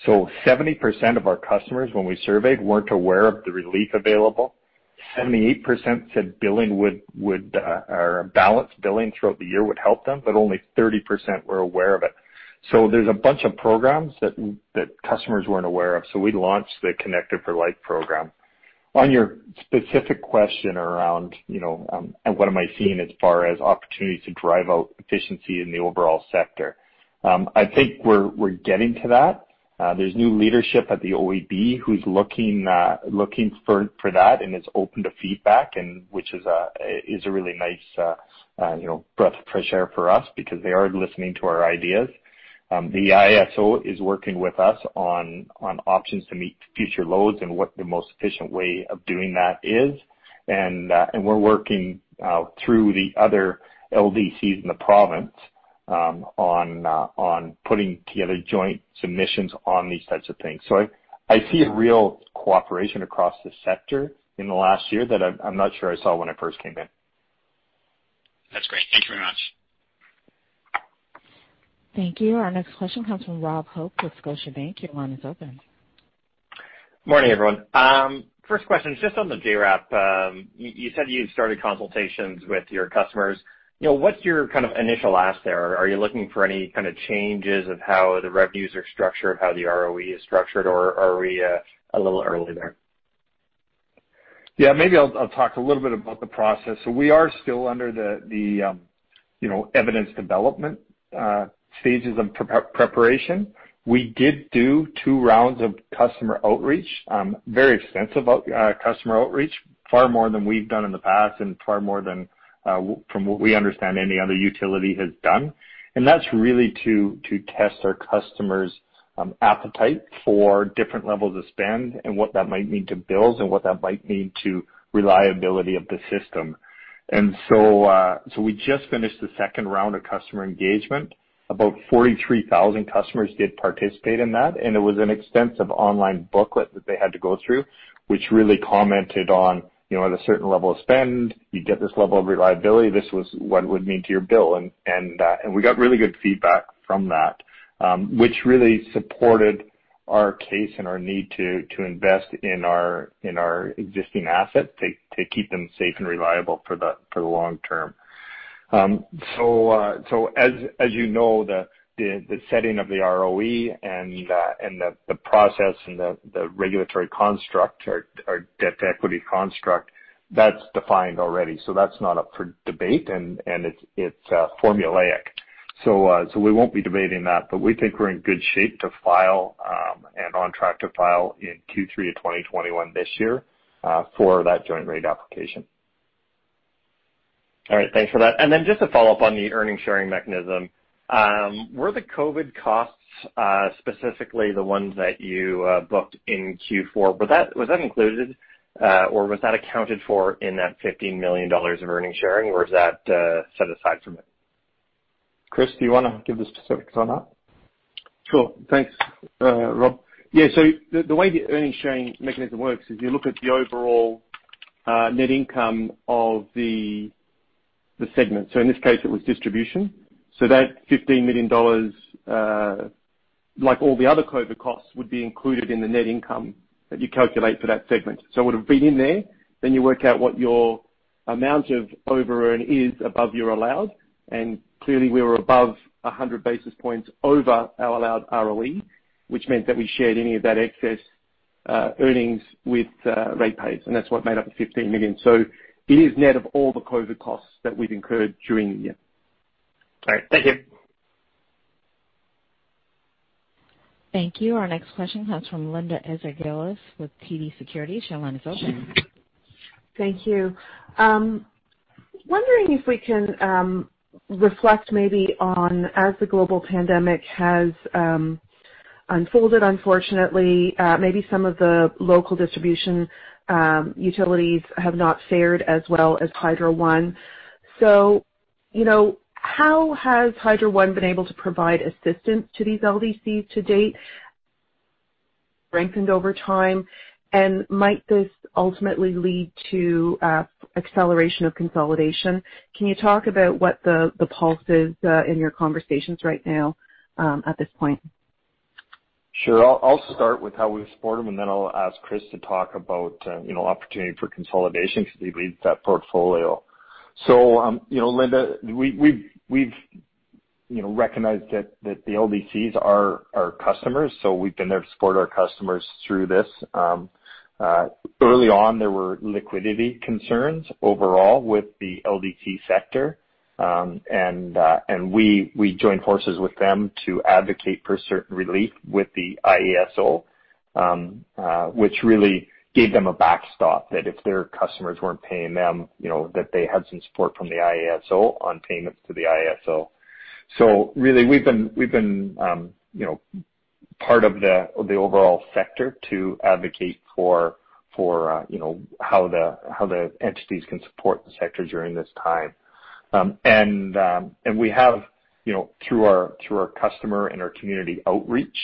70% of our customers when we surveyed weren't aware of the relief available. 78% said balanced billing throughout the year would help them, only 30% were aware of it. There's a bunch of programs that customers weren't aware of, we launched the Connected for Life program. On your specific question around what am I seeing as far as opportunities to drive out efficiency in the overall sector. I think we're getting to that. There's new leadership at the OEB who's looking for that and is open to feedback, which is a really nice breath of fresh air for us because they are listening to our ideas. The IESO is working with us on options to meet future loads and what the most efficient way of doing that is. We're working through the other LDCs in the province on putting together joint submissions on these types of things. I see a real cooperation across the sector in the last year that I'm not sure I saw when I first came in. That's great. Thank you very much. Thank you. Our next question comes from Rob Hope with Scotiabank. Your line is open. Morning, everyone. First question is just on the JRAP. You said you started consultations with your customers. What's your kind of initial ask there? Are you looking for any kind of changes of how the revenues are structured, how the ROE is structured, or are we a little early there? Maybe I'll talk a little bit about the process. We are still under the evidence development stages and preparation. We did do two rounds of customer outreach, very extensive customer outreach, far more than we've done in the past, and far more than, from what we understand, any other utility has done. That's really to test our customers' appetite for different levels of spend and what that might mean to bills and what that might mean to reliability of the system. We just finished the second round of customer engagement. About 43,000 customers did participate in that, and it was an extensive online booklet that they had to go through, which really commented on at a certain level of spend, you get this level of reliability. This was what it would mean to your bill. We got really good feedback from that, which really supported our case and our need to invest in our existing assets to keep them safe and reliable for the long term. As you know, the setting of the ROE and the process and the regulatory construct, our debt to equity construct, that's defined already. That's not up for debate. It's formulaic. We won't be debating that, but we think we're in good shape to file and on track to file in Q3 of 2021 this year for that joint rate application. All right. Thanks for that. Just to follow up on the earnings sharing mechanism. Were the COVID costs, specifically the ones that you booked in Q4, was that included, or was that accounted for in that 15 million dollars of earnings sharing, or is that set aside from it? Chris, do you want to give the specifics on that? Sure. Thanks, Rob. The way the earnings sharing mechanism works is you look at the overall net income of the segment. In this case, it was distribution. That 15 million dollars, like all the other COVID costs, would be included in the net income that you calculate for that segment. It would have been in there. You work out what your amount of over earn is above your allowed, and clearly we were above 100 basis points over our allowed ROE, which meant that we shared any of that excess earnings with rate payers, and that's what made up the 15 million. It is net of all the COVID costs that we've incurred during the year. All right. Thank you. Thank you. Our next question comes from Linda Ezergailis with TD Securities. Your line is open. Thank you. Wondering if we can reflect maybe on as the global pandemic has unfolded, unfortunately, maybe some of the local distribution utilities have not fared as well as Hydro One. How has Hydro One been able to provide assistance to these LDCs to date, strengthened over time? Might this ultimately lead to acceleration of consolidation? Can you talk about what the pulse is in your conversations right now at this point? Sure. I'll start with how we support them, then I'll ask Chris to talk about opportunity for consolidation because he leads that portfolio. Linda, we've recognized that the LDCs are our customers. We've been there to support our customers through this. Early on, there were liquidity concerns overall with the LDC sector. We joined forces with them to advocate for certain relief with the IESO, which really gave them a backstop that if their customers weren't paying them, that they had some support from the IESO on payments to the IESO. Really, we've been part of the overall sector to advocate for how the entities can support the sector during this time. We have, through our customer and our community outreach,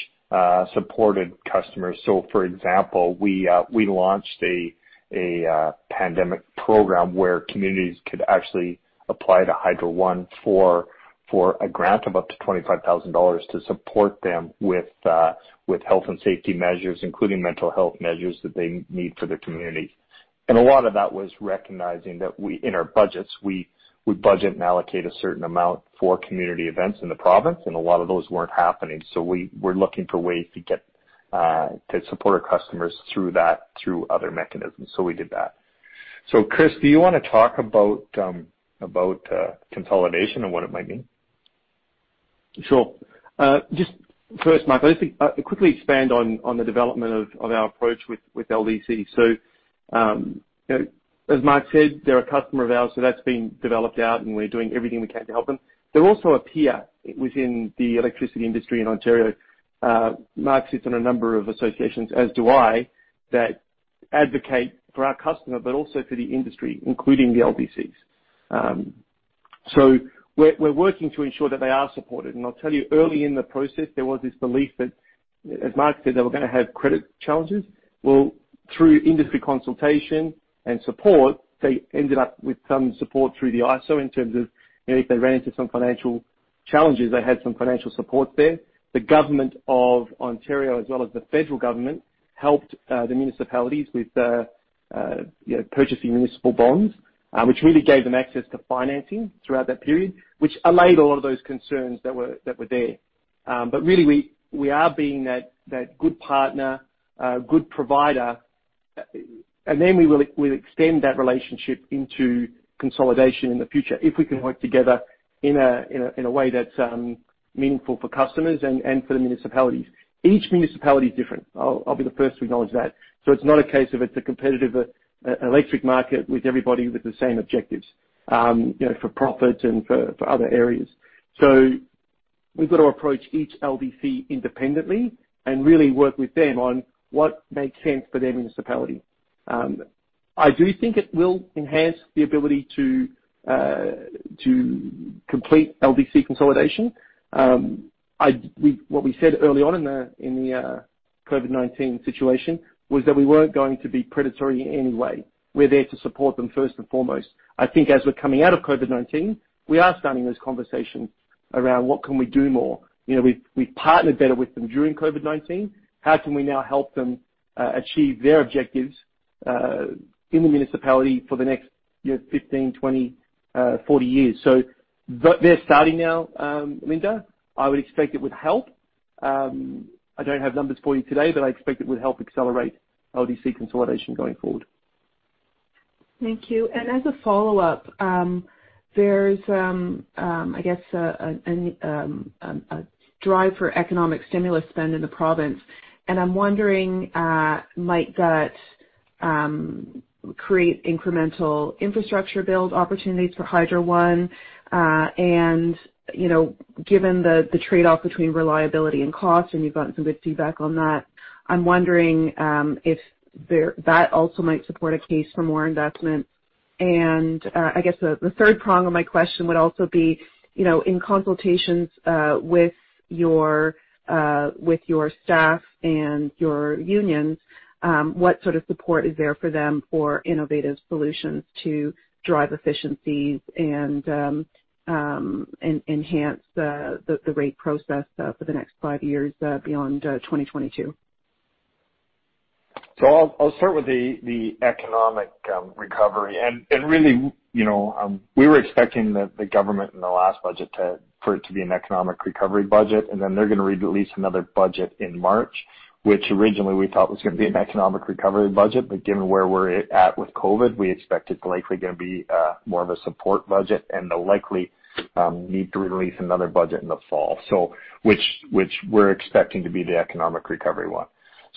supported customers. For example, we launched a pandemic program where communities could actually apply to Hydro One for a grant of up to 25,000 dollars to support them with health and safety measures, including mental health measures that they need for their community. A lot of that was recognizing that in our budgets, we budget and allocate a certain amount for community events in the province, and a lot of those weren't happening. We're looking for ways to support our customers through that through other mechanisms. We did that. Chris, do you want to talk about consolidation and what it might mean? Sure. Just first, Mark, I'll quickly expand on the development of our approach with LDC. As Mark said, they're a customer of ours, so that's being developed out and we're doing everything we can to help them. They're also a peer within the electricity industry in Ontario. Mark sits on a number of associations, as do I, that advocate for our customer, but also for the industry, including the LDCs. We're working to ensure that they are supported. I'll tell you, early in the process, there was this belief that, as Mark said, they were going to have credit challenges. Well, through industry consultation and support, they ended up with some support through the IESO in terms of if they ran into some financial challenges, they had some financial support there. The government of Ontario, as well as the federal government, helped the municipalities with purchasing municipal bonds, which really gave them access to financing throughout that period, which allayed a lot of those concerns that were there. Really, we are being that good partner, good provider, and then we'll extend that relationship into consolidation in the future if we can work together in a way that's meaningful for customers and for the municipalities. Each municipality is different. I'll be the first to acknowledge that. It's not a case of it's a competitive electric market with everybody with the same objectives for profit and for other areas. We've got to approach each LDC independently and really work with them on what makes sense for their municipality. I do think it will enhance the ability to complete LDC consolidation. What we said early on in the COVID-19 situation was that we weren't going to be predatory in any way. We're there to support them first and foremost. I think as we're coming out of COVID-19, we are starting those conversations around what can we do more. We've partnered better with them during COVID-19. How can we now help them achieve their objectives in the municipality for the next 15, 20, 40 years? They're starting now, Linda. I would expect it would help. I don't have numbers for you today, but I expect it would help accelerate LDC consolidation going forward. Thank you. As a follow-up, there's a drive for economic stimulus spend in the province, and I'm wondering, might that create incremental infrastructure build opportunities for Hydro One? Given the trade-off between reliability and cost, and you've gotten some good feedback on that, I'm wondering if that also might support a case for more investment. The third prong of my question would also be, in consultations with your staff and your unions, what sort of support is there for them for innovative solutions to drive efficiencies and enhance the rate process for the next five years beyond 2022? I'll start with the economic recovery. Really, we were expecting the government in the last budget for it to be an economic recovery budget, and then they're going to release another budget in March, which originally we thought was going to be an economic recovery budget. Given where we're at with COVID, we expect it's likely going to be more of a support budget, and they'll likely need to release another budget in the fall. We're expecting to be the economic recovery one.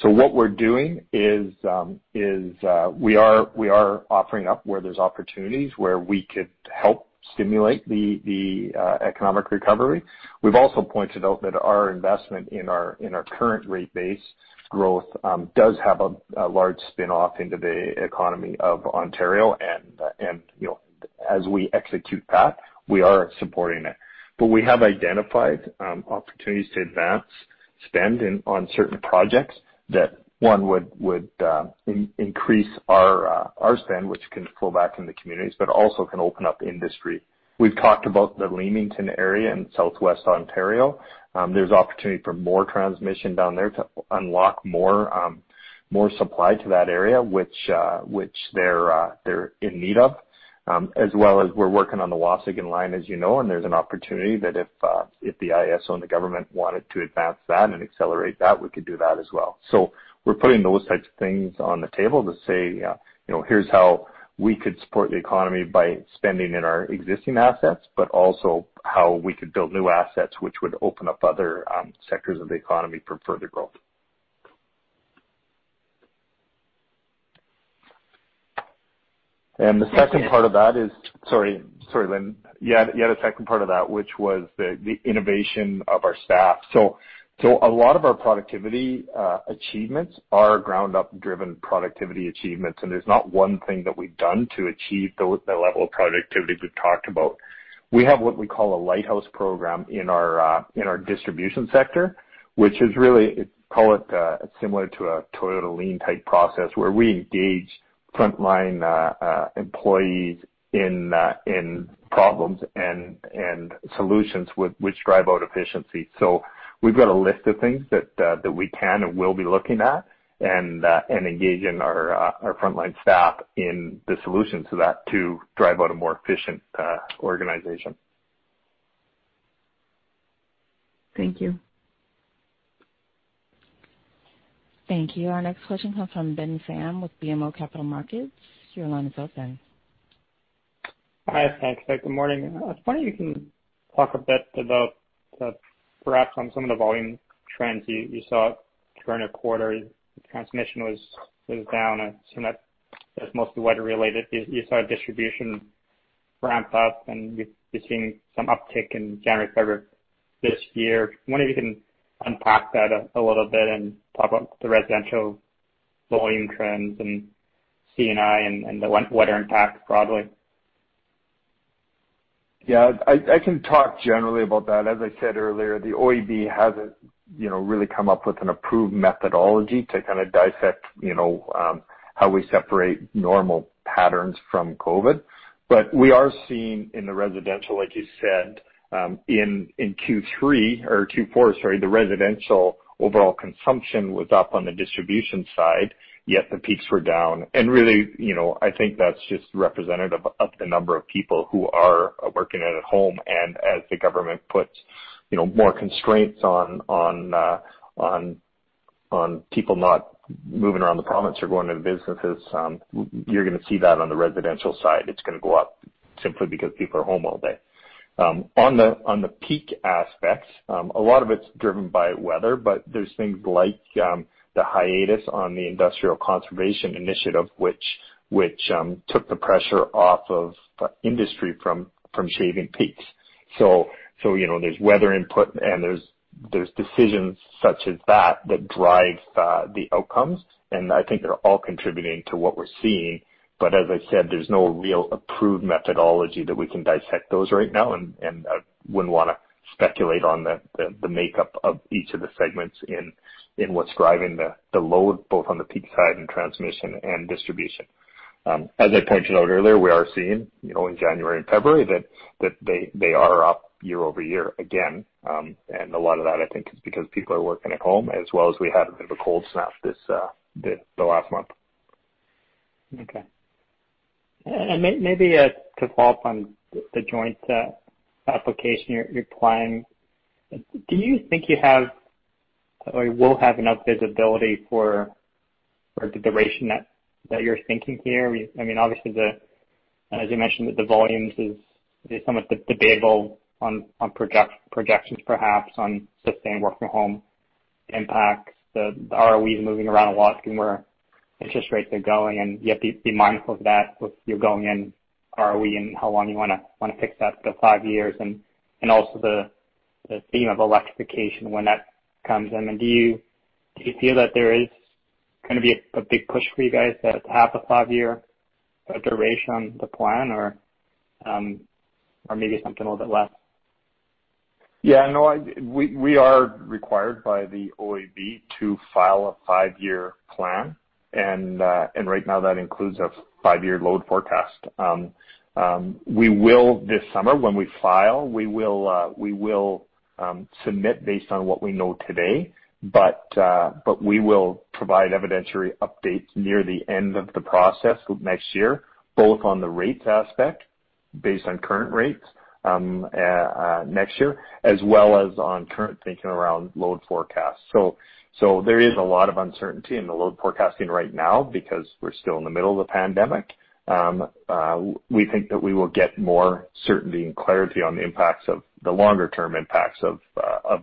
What we're doing is we are offering up where there's opportunities where we could help stimulate the economic recovery. We've also pointed out that our investment in our current rate base growth does have a large spin-off into the economy of Ontario. As we execute that, we are supporting it. We have identified opportunities to advance spend on certain projects that, one, would increase our spend, which can flow back into communities, but also can open up industry. We've talked about the Leamington area in Southwest Ontario. There's opportunity for more transmission down there to unlock more supply to that area, which they're in need of. As well as we're working on the Waasigan line, as you know, there's an opportunity that if the IESO and the government wanted to advance that and accelerate that, we could do that as well. We're putting those types of things on the table to say, here's how we could support the economy by spending in our existing assets, but also how we could build new assets, which would open up other sectors of the economy for further growth. The second part of that is Sorry, Linda. You had a second part of that, which was the innovation of our staff. A lot of our productivity achievements are ground-up driven productivity achievements, and there's not one thing that we've done to achieve the level of productivity we've talked about. We have what we call a Lighthouse Program in our distribution sector, which is really, call it similar to a Toyota lean-type process where we engage frontline employees in problems and solutions which drive out efficiency. We've got a list of things that we can and will be looking at and engaging our frontline staff in the solutions to that to drive out a more efficient organization. Thank you. Thank you. Our next question comes from Ben Pham with BMO Capital Markets. Your line is open. Hi. Thanks. Good morning. I was wondering if you can talk a bit about perhaps on some of the volume trends you saw during the quarter. The transmission was down. Some of that is mostly weather-related. You saw distribution ramp up, and you're seeing some uptick in January, February this year. I was wondering if you can unpack that a little bit and talk about the residential volume trends and C&I and the weather impact broadly. Yeah. I can talk generally about that. As I said earlier, the OEB hasn't really come up with an approved methodology to kind of dissect how we separate normal patterns from COVID. We are seeing in the residential, like you said, in Q3 or Q4, sorry, the residential overall consumption was up on the distribution side, yet the peaks were down. Really, I think that's just representative of the number of people who are working at home. As the government puts more constraints on people not moving around the province or going to businesses, you're going to see that on the residential side. It's going to go up simply because people are home all day. On the peak aspect, a lot of it's driven by weather, but there's things like the hiatus on the Industrial Conservation Initiative, which took the pressure off of industry from shaving peaks. There's weather input and there's decisions such as that that drive the outcomes, and I think they're all contributing to what we're seeing. As I said, there's no real approved methodology that we can dissect those right now, and I wouldn't want to speculate on the makeup of each of the segments in what's driving the load, both on the peak side and transmission and distribution. As I pointed out earlier, we are seeing, in January and February, that they are up year-over-year again. A lot of that, I think, is because people are working at home as well as we had a bit of a cold snap this last month. Okay. Maybe to follow up on the joint application you're applying. Do you think you have or will have enough visibility for the duration that you're thinking here? Obviously, as you mentioned, the volumes is somewhat debatable on projections perhaps on sustained work from home impacts. The ROE is moving around a lot given where interest rates are going, and you have to be mindful of that with you going in ROE and how long you want to fix that to five years and also the theme of electrification when that comes in. Do you feel that there is going to be a big push for you guys to have a five-year duration on the plan or maybe something a little bit less? No. We are required by the OEB to file a five-year plan. Right now, that includes a five-year load forecast. This summer when we file, we will submit based on what we know today, but we will provide evidentiary updates near the end of the process next year, both on the rates aspect, based on current rates next year, as well as on current thinking around load forecasts. There is a lot of uncertainty in the load forecasting right now because we're still in the middle of the pandemic. We think that we will get more certainty and clarity on the longer-term impacts of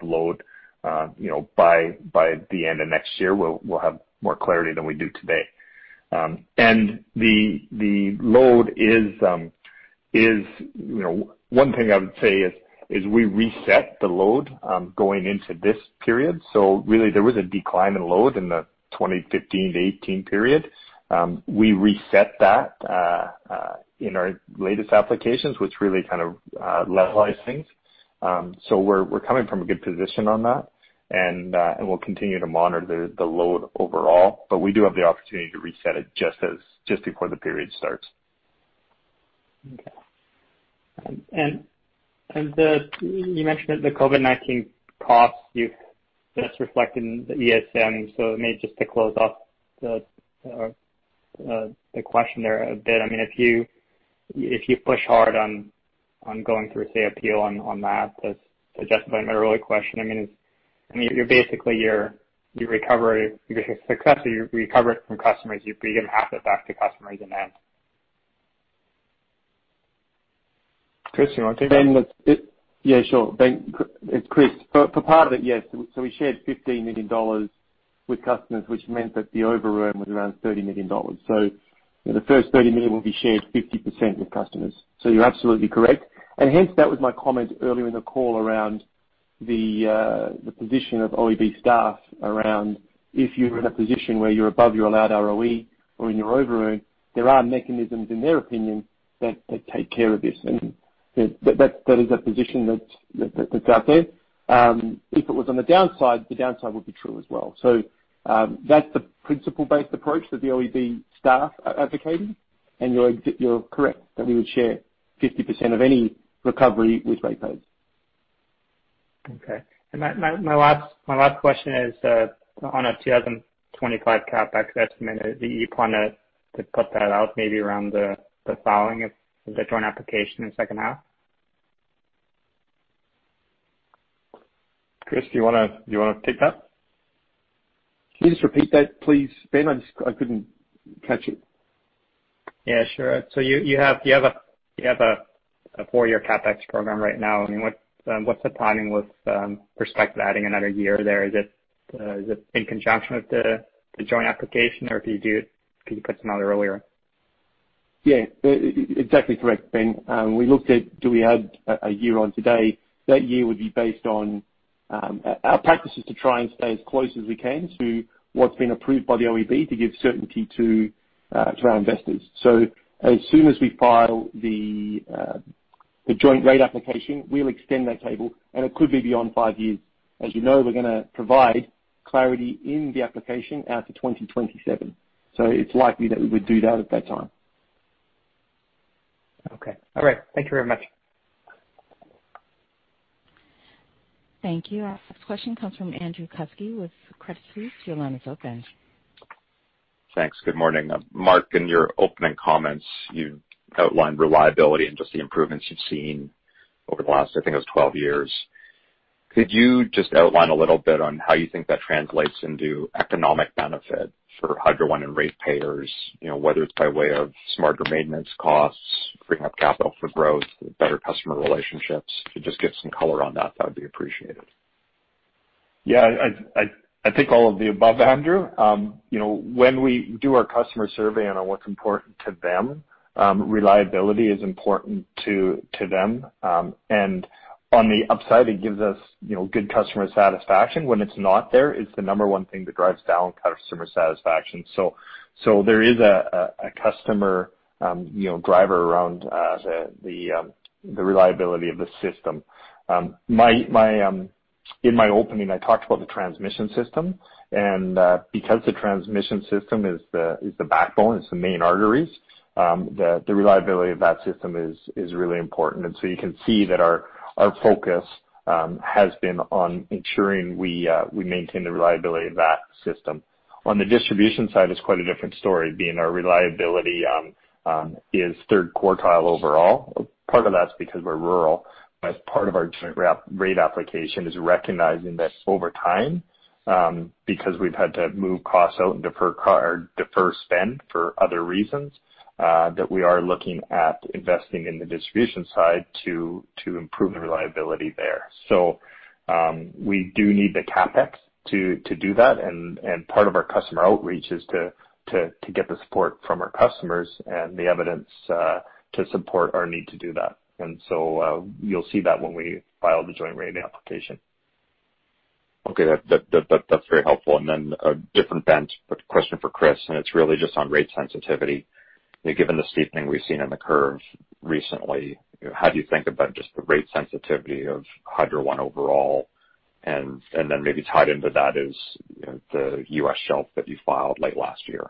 load by the end of next year. We'll have more clarity than we do today. One thing I would say is we reset the load going into this period. Really, there was a decline in load in the 2015-2018 period. We reset that in our latest applications, which really kind of levelized things. We're coming from a good position on that, and we'll continue to monitor the load overall, but we do have the opportunity to reset it just before the period starts. Okay. You mentioned that the COVID-19 costs, that's reflected in the ESM. Maybe just to close off the question there a bit, if you push hard on going through, say, appeal on that, just like my earlier question, basically, if you're successful, you recover it from customers, you give half it back to customers. Chris, you want to take that? Yeah, sure. It's Chris. For part of it, yes. We shared 15 million dollars with customers, which meant that the over-earn was around 30 million dollars. The first 30 million will be shared 50% with customers. You're absolutely correct. Hence, that was my comment earlier in the call around the position of OEB staff around if you're in a position where you're above your allowed ROE or in your over-earn, there are mechanisms, in their opinion, that take care of this. That is a position that's out there. If it was on the downside, the downside would be true as well. That's the principle-based approach that the OEB staff are advocating, and you're correct that we would share 50% of any recovery with ratepayers. Okay. My last question is on a 2025 CapEx estimate. Do you plan to put that out maybe around the filing of the Joint Application in the second half? Chris, do you want to take that? Can you just repeat that please, Ben? I couldn't catch it. Yeah, sure. You have a four-year CapEx program right now. What's the timing with respect to adding another year there? Is it in conjunction with the joint application, or could you put something out earlier? Yeah. Exactly correct, Ben. We looked at do we add a year on today. That year would be based on our practices to try and stay as close as we can to what's been approved by the OEB to give certainty to our investors. As soon as we file the Joint Rate Application, we'll extend that table, and it could be beyond five years. As you know, we're going to provide clarity in the application out to 2027, it's likely that we would do that at that time. Okay. All right. Thank you very much. Thank you. Our next question comes from Andrew Kuske with Credit Suisse. Your line is open. Thanks. Good morning. Mark, in your opening comments, you outlined reliability and just the improvements you've seen over the last, I think it was 12 years. Could you just outline a little bit on how you think that translates into economic benefit for Hydro One and ratepayers, whether it's by way of smarter maintenance costs, freeing up capital for growth, better customer relationships? If you could just give some color on that would be appreciated. I think all of the above, Andrew. When we do our customer survey on what's important to them, reliability is important to them. On the upside, it gives us good customer satisfaction. When it's not there, it's the number one thing that drives down customer satisfaction. There is a customer driver around the reliability of the system. In my opening, I talked about the transmission system. Because the transmission system is the backbone, it's the main arteries, the reliability of that system is really important. You can see that our focus has been on ensuring we maintain the reliability of that system. On the distribution side, it's quite a different story, being our reliability is third quartile overall. Part of that is because we're rural. As part of our Joint Rate Application is recognizing that over time, because we've had to move costs out and defer spend for other reasons, that we are looking at investing in the distribution side to improve the reliability there. We do need the CapEx to do that, and part of our customer outreach is to get the support from our customers and the evidence to support our need to do that. You'll see that when we file the Joint Rate Application. Okay. That's very helpful. Then a different bent, but question for Chris, and it's really just on rate sensitivity. Given the steepening we've seen in the curves recently, how do you think about just the rate sensitivity of Hydro One overall? Then maybe tied into that is the U.S. shelf that you filed late last year.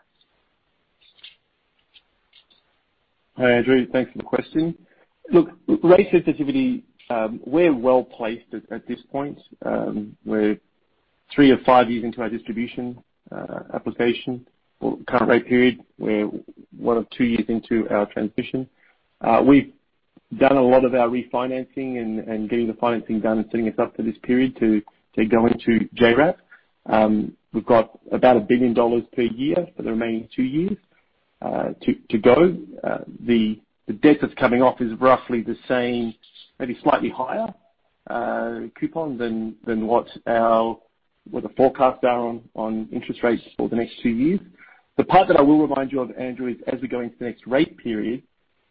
Hi, Andrew. Thanks for the question. Look, rate sensitivity, we're well-placed at this point. We're three of five years into our distribution application or current rate period. We're one of two years into our transition. We've done a lot of our refinancing and getting the financing done and setting us up for this period to go into JRAP. We've got about 1 billion dollars per year for the remaining two years to go. The debt that's coming off is roughly the same, maybe slightly higher coupon than what the forecasts are on interest rates for the next two years. The part that I will remind you of, Andrew, is as we go into the next rate period,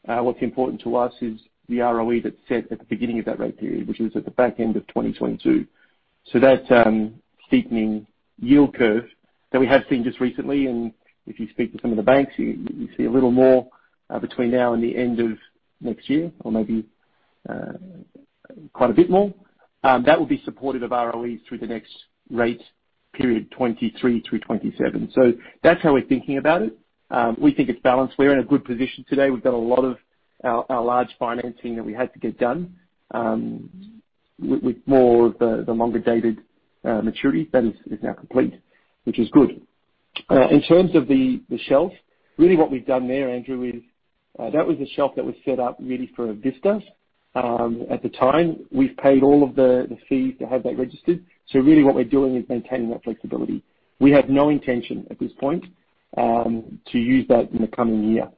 what's important to us is the ROE that's set at the beginning of that rate period, which is at the back end of 2022. That steepening yield curve that we have seen just recently, and if you speak to some of the banks, you see a little more between now and the end of next year or maybe quite a bit more. That will be supportive of ROE through the next rate period 2023 through 2027. That's how we're thinking about it. We think it's balanced. We're in a good position today. We've done a lot of our large financing that we had to get done with more of the longer-dated maturity that is now complete, which is good. In terms of the shelf, really what we've done there, Andrew, is that was a shelf that was set up really for Avista at the time. We've paid all of the fees to have that registered. Really what we're doing is maintaining that flexibility. We have no intention at this point to use that in the coming year.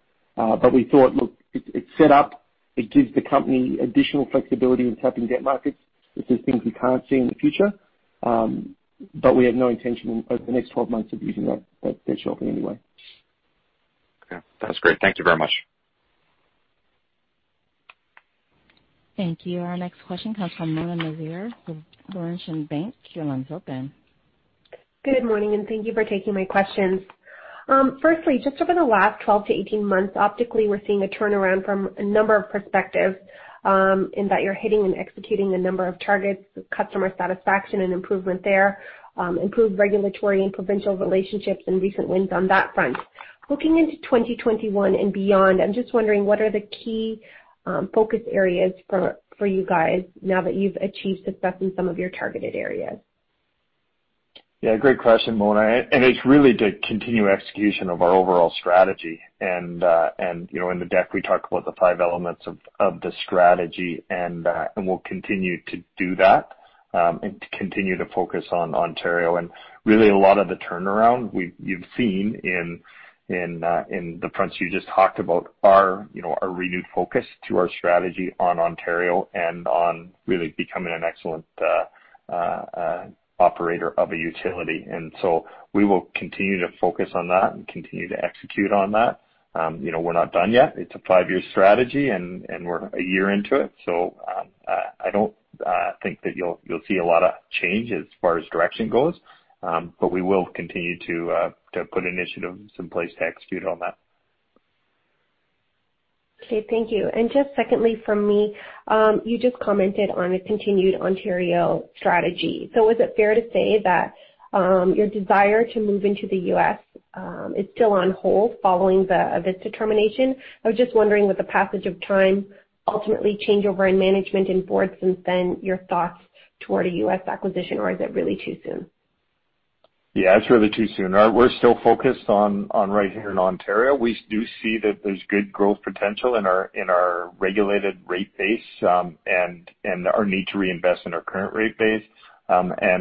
We thought, look, it's set up. It gives the company additional flexibility in tapping debt markets. This is things we can't see in the future. We have no intention over the next 12 months of using that shelf in any way. Okay. That's great. Thank you very much. Thank you. Our next question comes from Mona Nazir with Laurentian Bank. Your line is open. Good morning, and thank you for taking my questions. Firstly, just over the last 12 to 18 months, optically, we're seeing a turnaround from a number of perspectives, in that you're hitting and executing a number of targets, customer satisfaction and improvement there, improved regulatory and provincial relationships and recent wins on that front. Looking into 2021 and beyond, I'm just wondering, what are the key focus areas for you guys now that you've achieved success in some of your targeted areas? Yeah, great question, Mona. It is really the continued execution of our overall strategy. In the deck, we talk about the five elements of the strategy and we will continue to do that, and to continue to focus on Ontario. Really a lot of the turnaround you have seen in the fronts you just talked about are a renewed focus to our strategy on Ontario and on really becoming an excellent operator of a utility. We will continue to focus on that and continue to execute on that. We are not done yet. It is a five-year strategy, and we are a year into it. I do not think that you will see a lot of change as far as direction goes. We will continue to put initiatives in place to execute on that. Okay, thank you. Just secondly from me, you just commented on a continued Ontario strategy. Is it fair to say that your desire to move into the U.S. is still on hold following the Avista termination? I was just wondering, with the passage of time, ultimately changeover in management and board since then, your thoughts toward a U.S. acquisition, or is it really too soon? Yeah, it's really too soon. We're still focused on right here in Ontario. We do see that there's good growth potential in our regulated rate base, and our need to reinvest in our current rate base.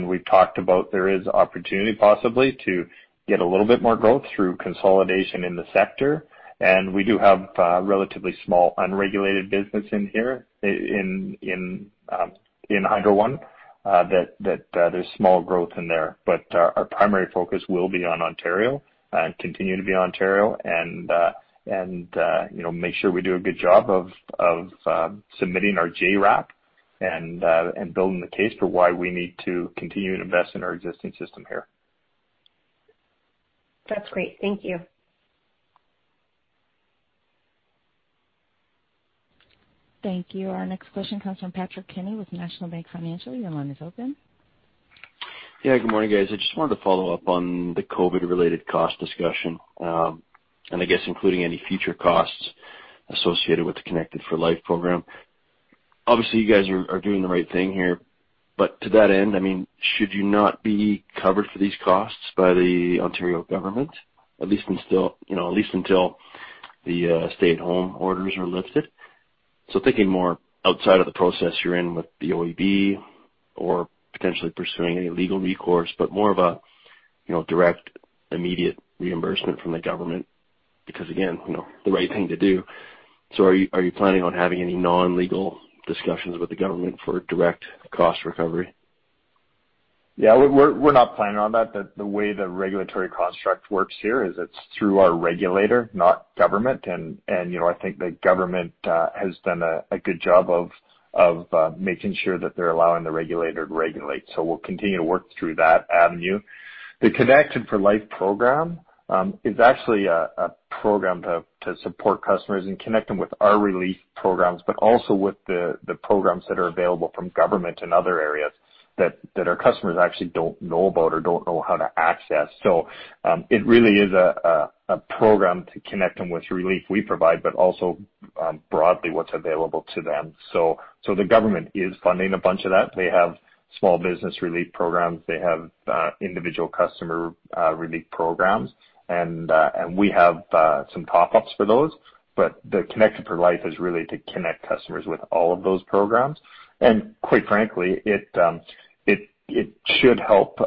We've talked about there is opportunity possibly to get a little bit more growth through consolidation in the sector. We do have relatively small unregulated business in here in Hydro One that there's small growth in there. Our primary focus will be on Ontario and continue to be on Ontario and make sure we do a good job of submitting our JRAP and building the case for why we need to continue to invest in our existing system here. That's great. Thank you. Thank you. Our next question comes from Patrick Kenny with National Bank Financial. Your line is open. Yeah, good morning, guys. I just wanted to follow up on the COVID-related cost discussion, including any future costs associated with the Connected for Life program. Obviously, you guys are doing the right thing here. To that end, should you not be covered for these costs by the Ontario government, at least until the stay-at-home orders are lifted? Thinking more outside of the process you're in with the OEB or potentially pursuing any legal recourse, but more of a direct, immediate reimbursement from the government because, again, the right thing to do. Are you planning on having any non-legal discussions with the government for direct cost recovery? Yeah, we're not planning on that. The way the regulatory construct works here is it's through our regulator, not government. I think the government has done a good job of making sure that they're allowing the regulator to regulate. We'll continue to work through that avenue. The Connected for Life program is actually a program to support customers and connect them with our relief programs, but also with the programs that are available from government and other areas that our customers actually don't know about or don't know how to access. It really is a program to connect them with relief we provide, but also broadly what's available to them. The government is funding a bunch of that. They have small business relief programs. They have individual customer relief programs. We have some top-ups for those, but the Connected for Life is really to connect customers with all of those programs. Quite frankly, it should help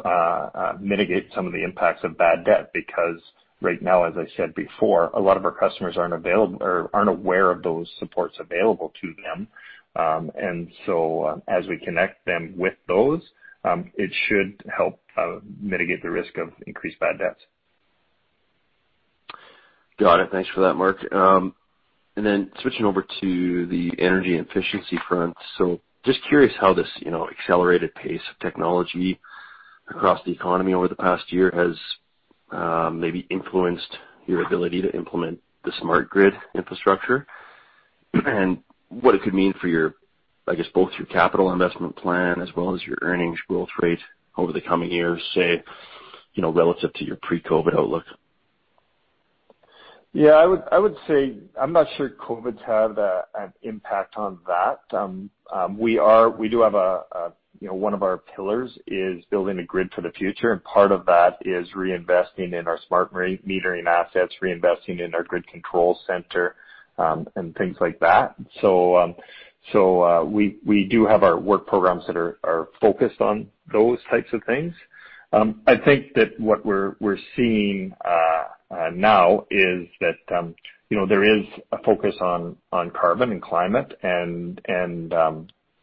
mitigate some of the impacts of bad debt because right now, as I said before, a lot of our customers aren't aware of those supports available to them. As we connect them with those, it should help mitigate the risk of increased bad debts. Got it. Thanks for that, Mark. Switching over to the energy efficiency front. Just curious how this accelerated pace of technology across the economy over the past year has maybe influenced your ability to implement the smart grid infrastructure and what it could mean for, I guess, both your capital investment plan as well as your earnings growth rate over the coming years, say, relative to your pre-COVID outlook? I would say I'm not sure COVID's had an impact on that. One of our pillars is building a grid for the future, and part of that is reinvesting in our smart metering assets, reinvesting in our grid control center, and things like that. We do have our work programs that are focused on those types of things. I think that what we're seeing now is that there is a focus on carbon and climate and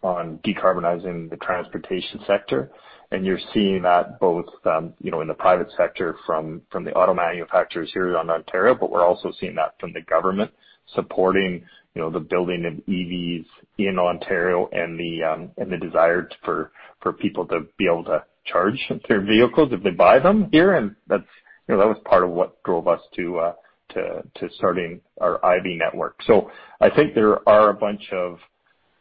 on decarbonizing the transportation sector. You're seeing that both in the private sector from the auto manufacturers here in Ontario, but we're also seeing that from the government supporting the building of EVs in Ontario and the desire for people to be able to charge their vehicles if they buy them here, and that was part of what drove us to starting our EV network. I think there are a bunch of,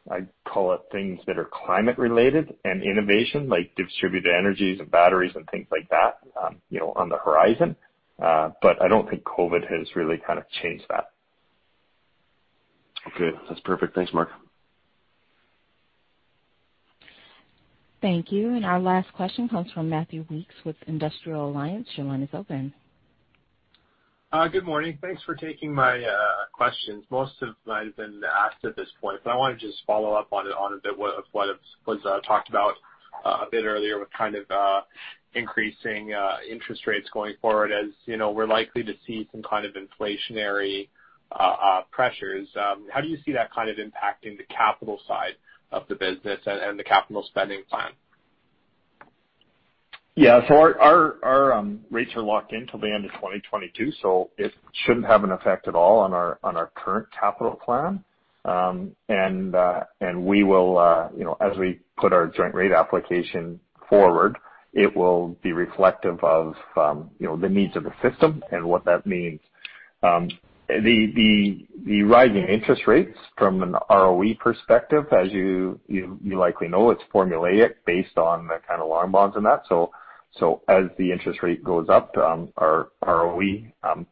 I call it things that are climate related and innovation, like distributed energies and batteries and things like that on the horizon. I don't think COVID has really changed that. Okay. That's perfect. Thanks, Mark. Thank you. Our last question comes from Matthew Weekes with Industrial Alliance. Your line is open. Good morning. Thanks for taking my questions. Most of mine have been asked at this point, but I want to just follow up on a bit of what was talked about a bit earlier with increasing interest rates going forward. As you know, we're likely to see some kind of inflationary pressures. How do you see that impacting the capital side of the business and the capital spending plan? Yeah. Our rates are locked in till the end of 2022, it shouldn't have an effect at all on our current capital plan. As we put our Joint Rate Application forward, it will be reflective of the needs of the system and what that means. The rising interest rates from an ROE perspective, as you likely know, it's formulaic based on the kind of long bonds in that. As the interest rate goes up, our ROE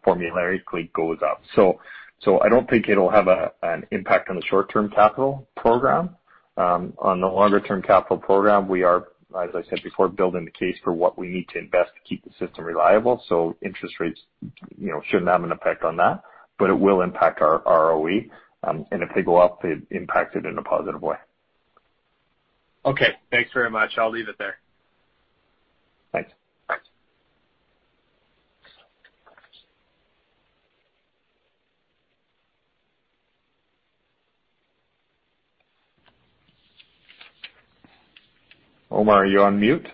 formularically goes up. I don't think it'll have an impact on the short-term capital program. On the longer-term capital program, we are, as I said before, building the case for what we need to invest to keep the system reliable. Interest rates shouldn't have an effect on that, but it will impact our ROE. If they go up, they impact it in a positive way. Okay. Thanks very much. I'll leave it there. Thanks. Bye. Omar, are you on mute?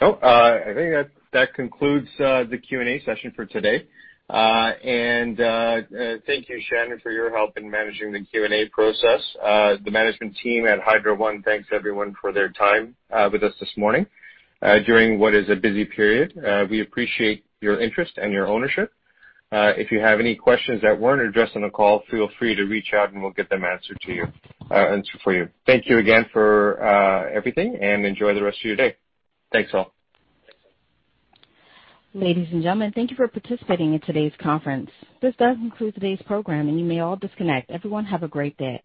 I think that concludes the Q&A session for today. Thank you, Shannon, for your help in managing the Q&A process. The management team at Hydro One thanks everyone for their time with us this morning during what is a busy period. We appreciate your interest and your ownership. If you have any questions that weren't addressed on the call, feel free to reach out and we'll get them answered for you. Thank you again for everything, and enjoy the rest of your day. Thanks all. Ladies and gentlemen, thank you for participating in today's conference. This does conclude today's program, and you may all disconnect. Everyone have a great day.